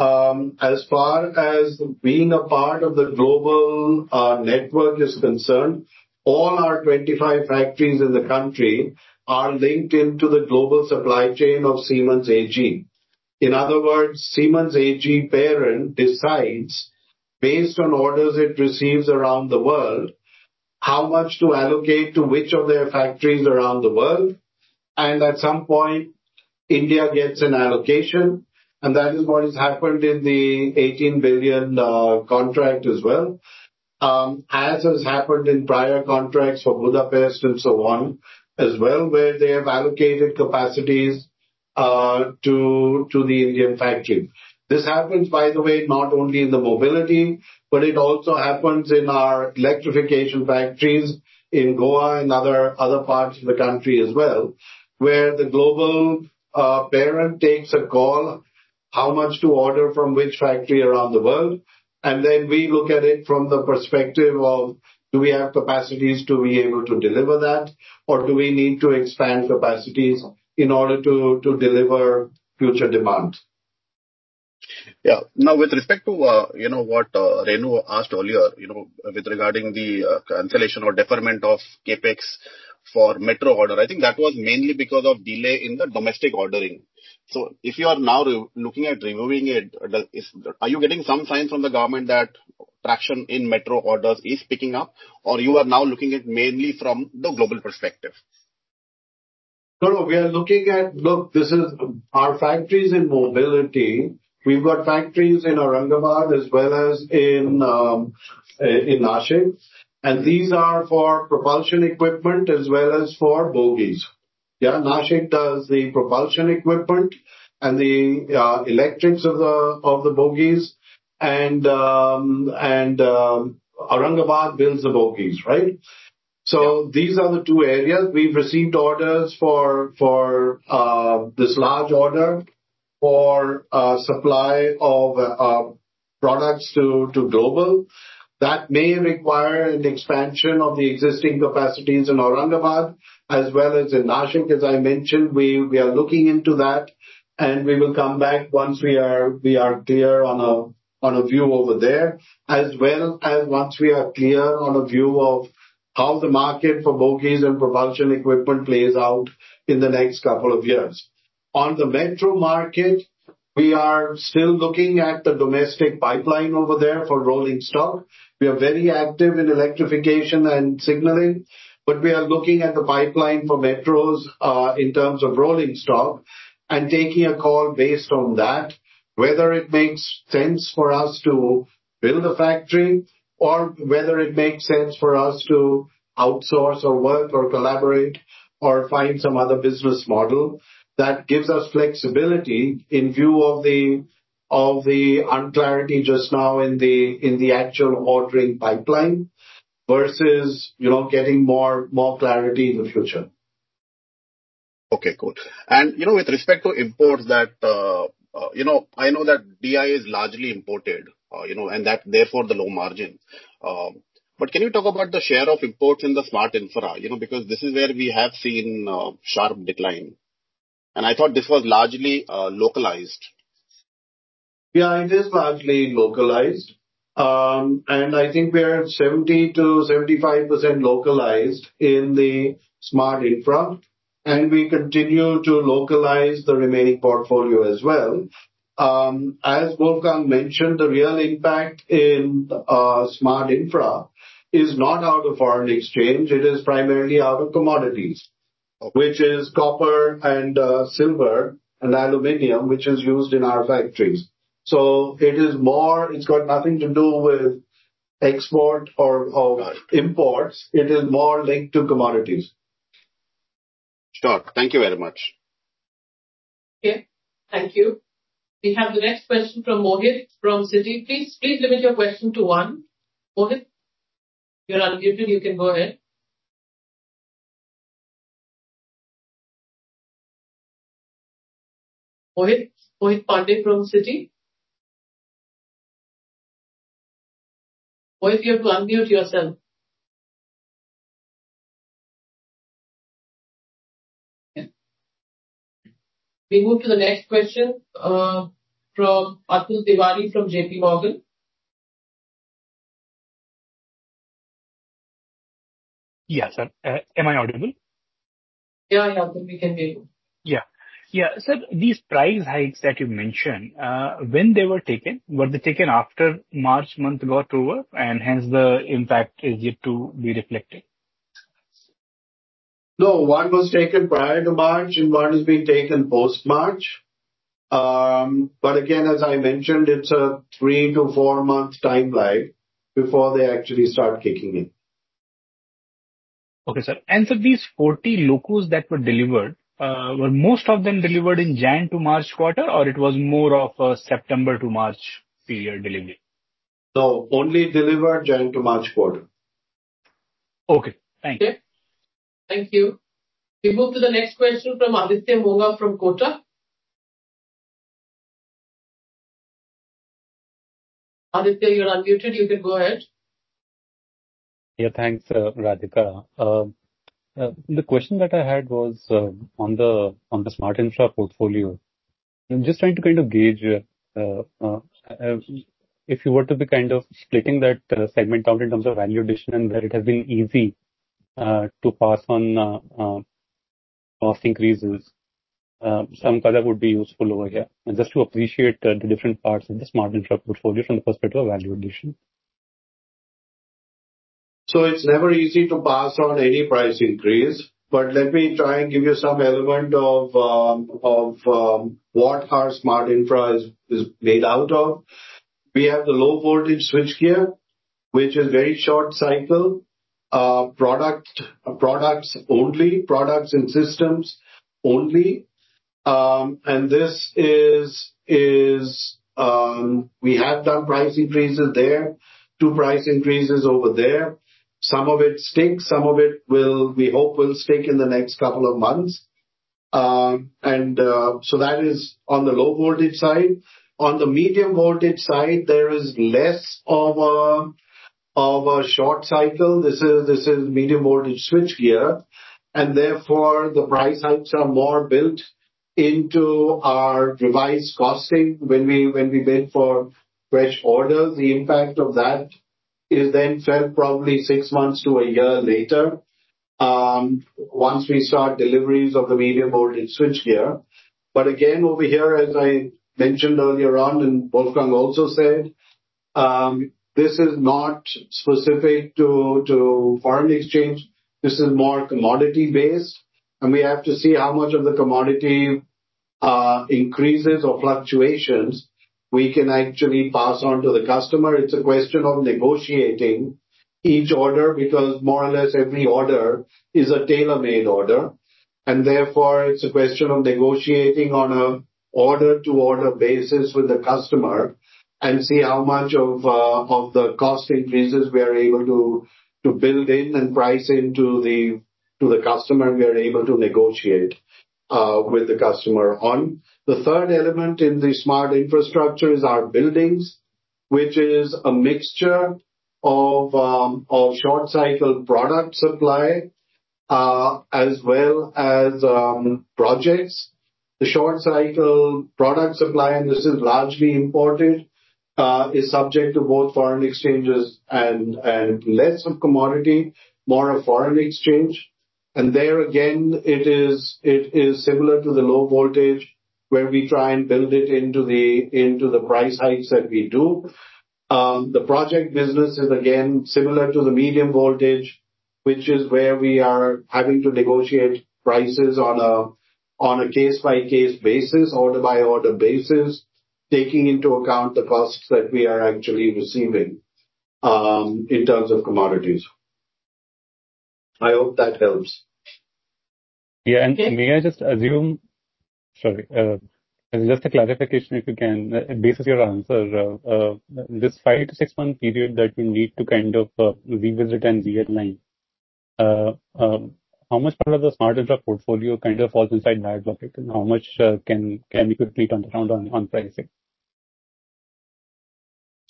As far as being a part of the global network is concerned, all our 25 factories in the country are linked into the global supply chain of Siemens AG. In other words, Siemens AG parent decides, based on orders it receives around the world, how much to allocate to which of their factories around the world. At some point, India gets an allocation, and that is what has happened in the 18 billion contract as well, as has happened in prior contracts for Budapest and so on as well, where they have allocated capacities to the Indian factory. This happens, by the way, not only in the Mobility, but it also happens in our electrification factories in Goa and other parts of the country as well, where the global parent takes a call, how much to order from which factory around the world. We look at it from the perspective of do we have capacities to be able to deliver that, or do we need to expand capacities in order to deliver future demand? Yeah. Now, with respect to what Renu asked earlier, with regarding the cancellation or deferment of CapEx for metro order. I think that was mainly because of delay in the domestic ordering. If you are now looking at removing it, are you getting some signs from the government that traction in metro orders is picking up, or you are now looking at mainly from the global perspective? Our factories in Mobility, we've got factories in Aurangabad as well as in Nashik, and these are for propulsion equipment as well as for bogies. Yeah, Nashik does the propulsion equipment and the electrics of the bogies, and Aurangabad builds the bogies, right? These are the two areas we've received orders for this large order for supply of products to global. That may require an expansion of the existing capacities in Aurangabad as well as in Nashik. As I mentioned, we are looking into that, and we will come back once we are clear on a view over there, as well as once we are clear on a view of how the market for bogies and propulsion equipment plays out in the next couple of years. On the metro market, we are still looking at the domestic pipeline over there for rolling stock. We are very active in electrification and signaling, but we are looking at the pipeline for metros, in terms of rolling stock, and taking a call based on that, whether it makes sense for us to build a factory or whether it makes sense for us to outsource or work or collaborate or find some other business model that gives us flexibility in view of the unclarity just now in the actual ordering pipeline versus getting more clarity in the future. Okay, cool. With respect to imports, I know that DI is largely imported, and that therefore the low margin. Can you talk about the share of imports in the Smart Infra? Because this is where we have seen a sharp decline. I thought this was largely localized. Yeah, it is largely localized. I think we're at 70%-75% localized in the Smart Infrastructure, and we continue to localize the remaining portfolio as well. As Wolfgang mentioned, the real impact in Smart Infrastructure is not out of foreign exchange. It is primarily out of commodities, which is copper and silver and aluminum, which is used in our factories. It's got nothing to do with export or imports. It is more linked to commodities. Sure. Thank you very much. Okay. Thank you. We have the next question from Mohit from Citi. Please limit your question to one. Mohit? You're unmuted, you can go ahead. Mohit? Mohit Pandey from Citi. Mohit, you have to unmute yourself. We move to the next question, from Atul Tiwari from JPMorgan. Yeah, sir. Am I audible? Yeah, Atul. We can hear you. Yeah. Sir, these price hikes that you mentioned, when they were taken, were they taken after March month got over, and hence the impact is yet to be reflected? No, one was taken prior to March and one is being taken post-March. Again, as I mentioned, it's a three- to four-month timeline before they actually start kicking in. Okay, sir. Sir, these 40 locos that were delivered, were most of them delivered in January to March quarter, or it was more of a September to March period delivery? No, only delivered January-to-March quarter. Okay. Thank you. Thank you. We move to the next question from Aditya Mongia from Kotak. Aditya, you're unmuted. You can go ahead. Yeah. Thanks, Radhika. The question that I had was on the Smart Infra portfolio. I'm just trying to gauge, if you were to be splitting that segment out in terms of value addition and where it has been easy to pass on cost increases. Some color would be useful over here, and just to appreciate the different parts of the Smart Infra portfolio from the perspective of value addition. It's never easy to pass on any price increase, but let me try and give you some element of what our Smart Infra is made out of. We have the Low Voltage Switchgear, which is very short cycle products only, products and systems only. We have done price increases there. Two price increases over there. Some of it sticks, some of it we hope will stick in the next couple of months. That is on the Low Voltage side. On the Medium Voltage side, there is less of a short cycle. This is Medium Voltage Switchgear, and therefore the price hikes are more built into our revised costing when we bid for fresh orders. The impact of that is then felt probably six months to a year later, once we start deliveries of the Medium Voltage Switchgear. Again, over here, as I mentioned earlier on, and Wolfgang also said, this is not specific to foreign exchange. This is more commodity-based, and we have to see how much of the commodity increases or fluctuations we can actually pass on to the customer. It's a question of negotiating each order because more or less every order is a tailor-made order. Therefore, it's a question of negotiating on an order-to-order basis with the customer and see how much of the cost increases we are able to build in and price into the customer, we are able to negotiate with the customer on. The third element in the Smart Infrastructure is our buildings, which is a mixture of short cycle product supply as well as projects. The short cycle product supply, and this is largely imported, is subject to both foreign exchange and less of commodity, more of foreign exchange. There again, it is similar to the Low Voltage where we try and build it into the price hikes that we do. The project business is again similar to the Medium Voltage, which is where we are having to negotiate prices on a case-by-case basis, order-by-order basis, taking into account the costs that we are actually receiving in terms of commodities. I hope that helps. Sorry. Just a clarification if you can, based on your answer. This five-to-six-month period that you need to kind of revisit and realign, how much part of the Smart Infra portfolio kind of falls inside that bucket? How much can you quickly turnaround on pricing?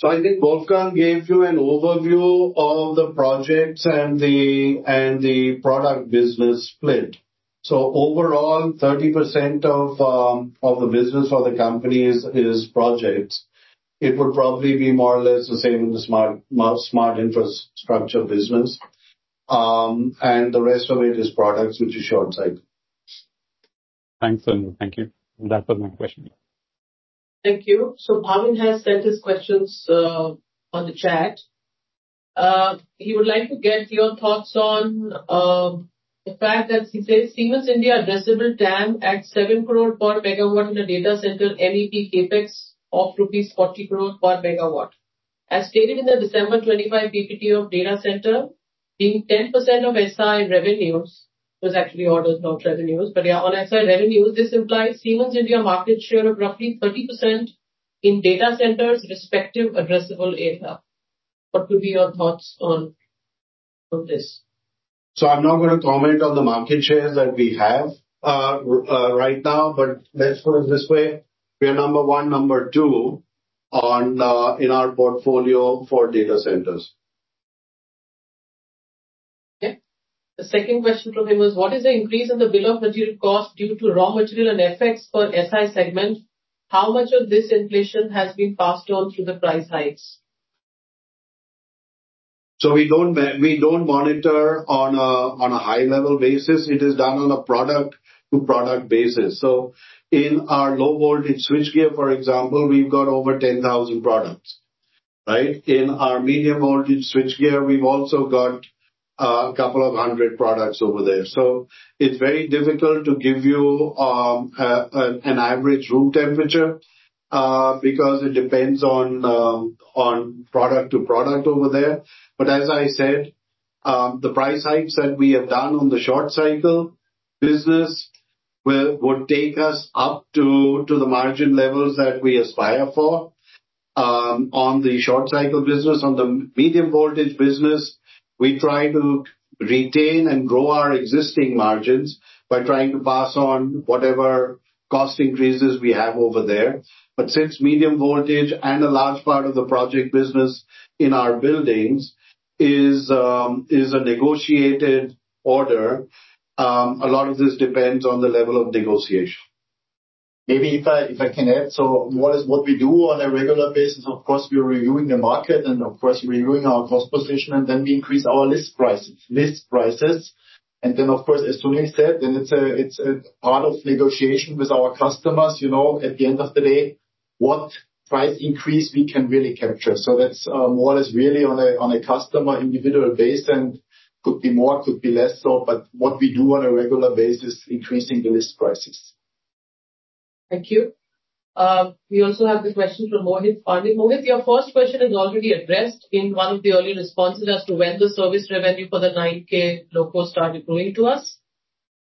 I think Wolfgang gave you an overview of the projects and the product business split. Overall, 30% of the business of the company is projects. It would probably be more or less the same in the Smart Infrastructure business. The rest of it is products, which is short cycle. Thanks and thank you. That was my question. Thank you. Bhavin has sent his questions on the chat. He would like to get your thoughts on the fact that he says Siemens India addressable TAM at 7 crore per megawatt in the data center NEP CapEx of rupees 40 crore per megawatt. As stated in the December 2025 PPT of data center, being 10% of SI revenues, was actually orders not revenues, but yeah, on SI revenues, this implies Siemens India market share of roughly 30% in data centers respective addressable area. What could be your thoughts on this? I'm not going to comment on the market shares that we have right now, but let's put it this way. We are number one, number two in our portfolio for data centers. The second question from him is what is the increase in the bill of material cost due to raw material and FX for SI segment? How much of this inflation has been passed on through the price hikes? We don't monitor on a high-level basis. It is done on a product-to-product basis. In our Low Voltage Switchgear, for example, we've got over 10,000 products, right? In our Medium Voltage Switchgear, we've also got a couple of hundred products over there. It's very difficult to give you an average room temperature, because it depends on product-to-product over there. As I said, the price hikes that we have done on the short-cycle business would take us up to the margin levels that we aspire for on the short-cycle business. On the Medium Voltage business, we try to retain and grow our existing margins by trying to pass on whatever cost increases we have over there. Since Medium Voltage and a large part of the project business in our buildings is a negotiated order, a lot of this depends on the level of negotiation. Maybe if I can add, what we do on a regular basis, of course, we are reviewing the market and of course reviewing our cost position, and then we increase our list prices. Then, of course, as Sunil said, then it's a part of negotiation with our customers, at the end of the day, what price increase we can really capture. That's more or less really on a customer individual basis, and could be more, could be less so. What we do on a regular basis, increasing the list prices. Thank you. We also have the question from Mohit Pandey. Mohit, your first question is already addressed in one of the earlier responses as to when the service revenue for the 9000-loco started flowing to us.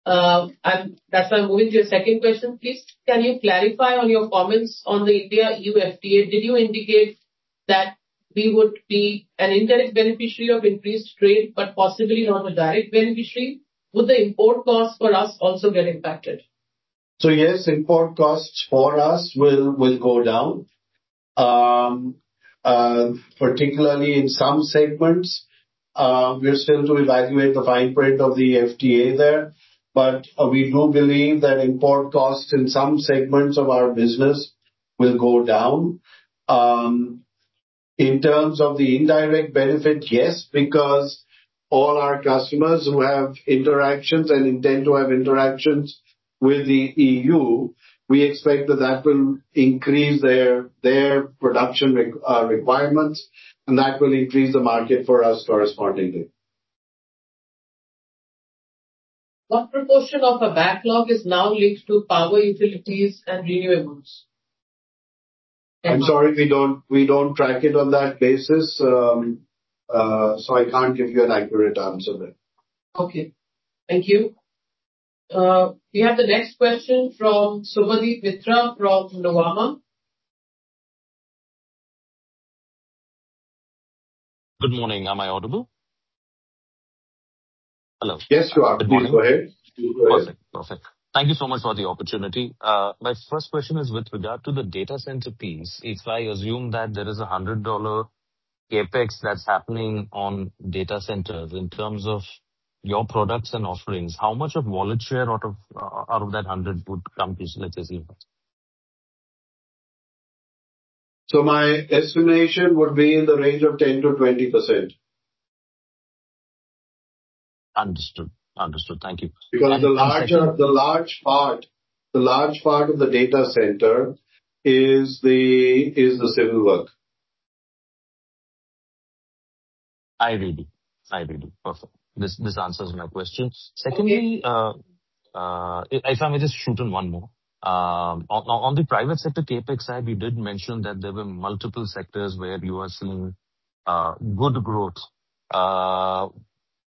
That's why moving to your second question, please. Can you clarify on your comments on the India-EU FTA? Did you indicate that we would be an indirect beneficiary of increased trade, but possibly not a direct beneficiary? Would the import costs for us also get impacted? Yes, import costs for us will go down, particularly in some segments. We are still to evaluate the fine print of the FTA there, but we do believe that import costs in some segments of our business will go down. In terms of the indirect benefit, yes, because all our customers who have interactions and intend to have interactions with the EU, we expect that that will increase their production requirements, and that will increase the market for us correspondingly. What proportion of the backlog is now linked to power utilities and renewables? I'm sorry, we don't track it on that basis, so I can't give you an accurate answer there. Okay. Thank you. We have the next question from Subhadip Mitra from Nuvama. Good morning. Am I audible? Hello. Yes, you are. Please go ahead. Perfect. Thank you so much for the opportunity. My first question is with regard to the data center piece. If I assume that there is $100 CapEx that's happening on data centers in terms of your products and offerings, how much of wallet share out of that $100 would come to Siemens? My estimation would be in the range of 10%-20%. Understood. Thank you. The large part of the data center is the civil work. I agree. Perfect. This answers my question. Okay. Secondly, if I may just shoot in one more. On the private sector CapEx side, you did mention that there were multiple sectors where you are seeing good growth.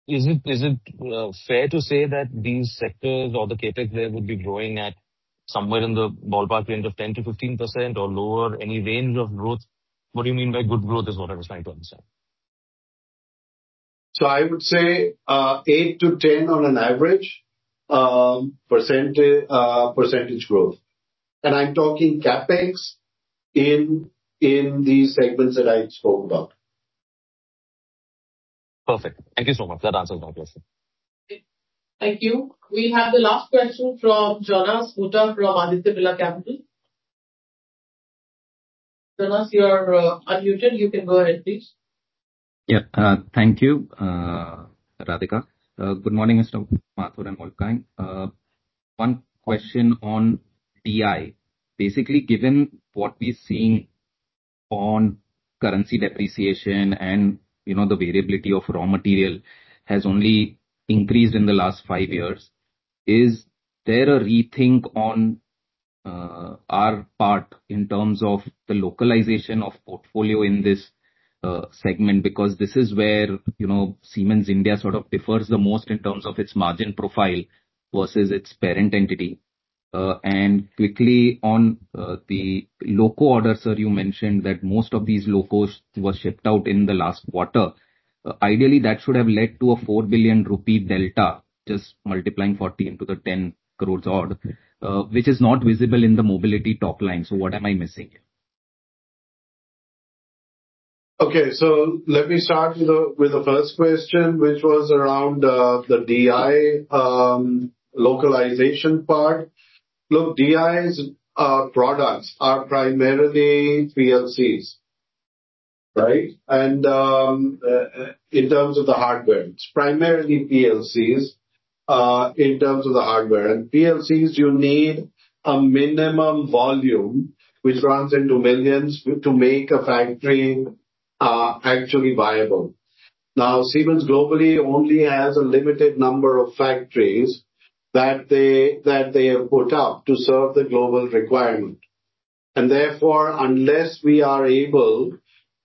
Is it fair to say that these sectors or the CapEx there would be growing at somewhere in the ballpark range of 10%-15% or lower? Any range of growth? What do you mean by good growth is what I was trying to understand. I would say, 8-10 on an average % growth. I'm talking CapEx in these segments that I spoke about. Perfect. Thank you so much. That answers my question. Thank you. We have the last question from Jonas Bhutta from Aditya Birla Capital. Jonas, you're unmuted. You can go ahead, please. Yeah. Thank you, Radhika. Good morning, Mr. Mathur and Wolfgang. One question on DI. Basically, given what we're seeing on currency depreciation and the variability of raw material has only increased in the last five years, is there a rethink on our part in terms of the localization of portfolio in this segment? This is where Siemens India sort of differs the most in terms of its margin profile versus its parent entity. Quickly on the loco order, sir, you mentioned that most of these locos were shipped out in the last quarter. Ideally, that should have led to an 4 billion rupee delta, just multiplying 40 into the 10 crores odd, which is not visible in the Mobility top line. What am I missing here? Okay. Let me start with the first question, which was around the DI localization part. Look, DI's products are primarily PLCs. Right? In terms of the hardware, it's primarily PLCs, in terms of the hardware. PLCs, you need a minimum volume, which runs into millions, to make a factory actually viable. Now, Siemens globally only has a limited number of factories that they have put up to serve the global requirement. Therefore, unless we are able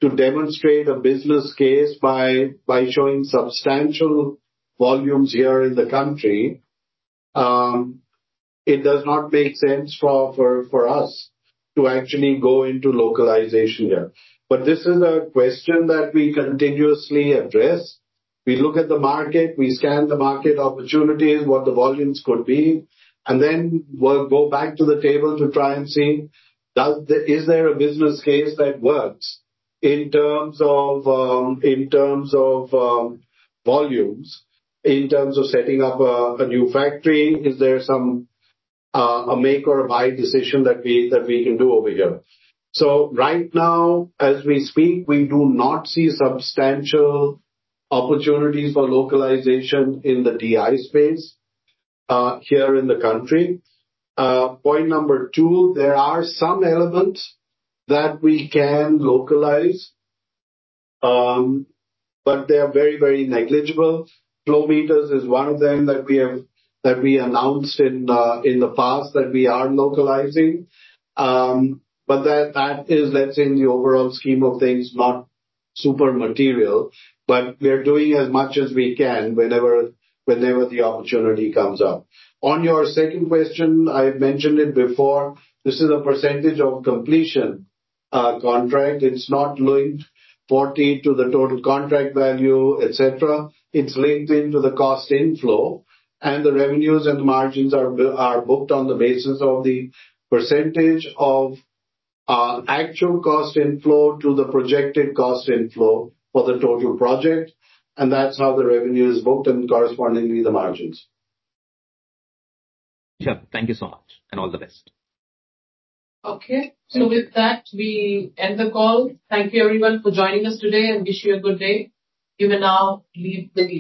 to demonstrate a business case by showing substantial volumes here in the country, it does not make sense for us to actually go into localization here. This is a question that we continuously address. We look at the market, we scan the market opportunities, what the volumes could be, and then we'll go back to the table to try and see, is there a business case that works in terms of volumes, in terms of setting up a new factory? Is there a make or a buy decision that we can do over here? Right now, as we speak, we do not see substantial opportunities for localization in the DI space, here in the country. Point number 2, there are some elements that we can localize, but they are very, very negligible. Flow meters is one of them that we announced in the past that we are localizing. That is, let's say in the overall scheme of things, not super material, but we are doing as much as we can whenever the opportunity comes up. On your second question, I mentioned it before, this is a percentage-of-completion contract. It's not linked 40 to the total contract value, et cetera. It's linked into the cost inflow, and the revenues and margins are booked on the basis of the % of actual cost inflow to the projected cost inflow for the total project, and that's how the revenue is booked and correspondingly the margins. Sure. Thank you so much, and all the best. Okay. With that, we end the call. Thank you everyone for joining us today, and wish you a good day. You may now leave the-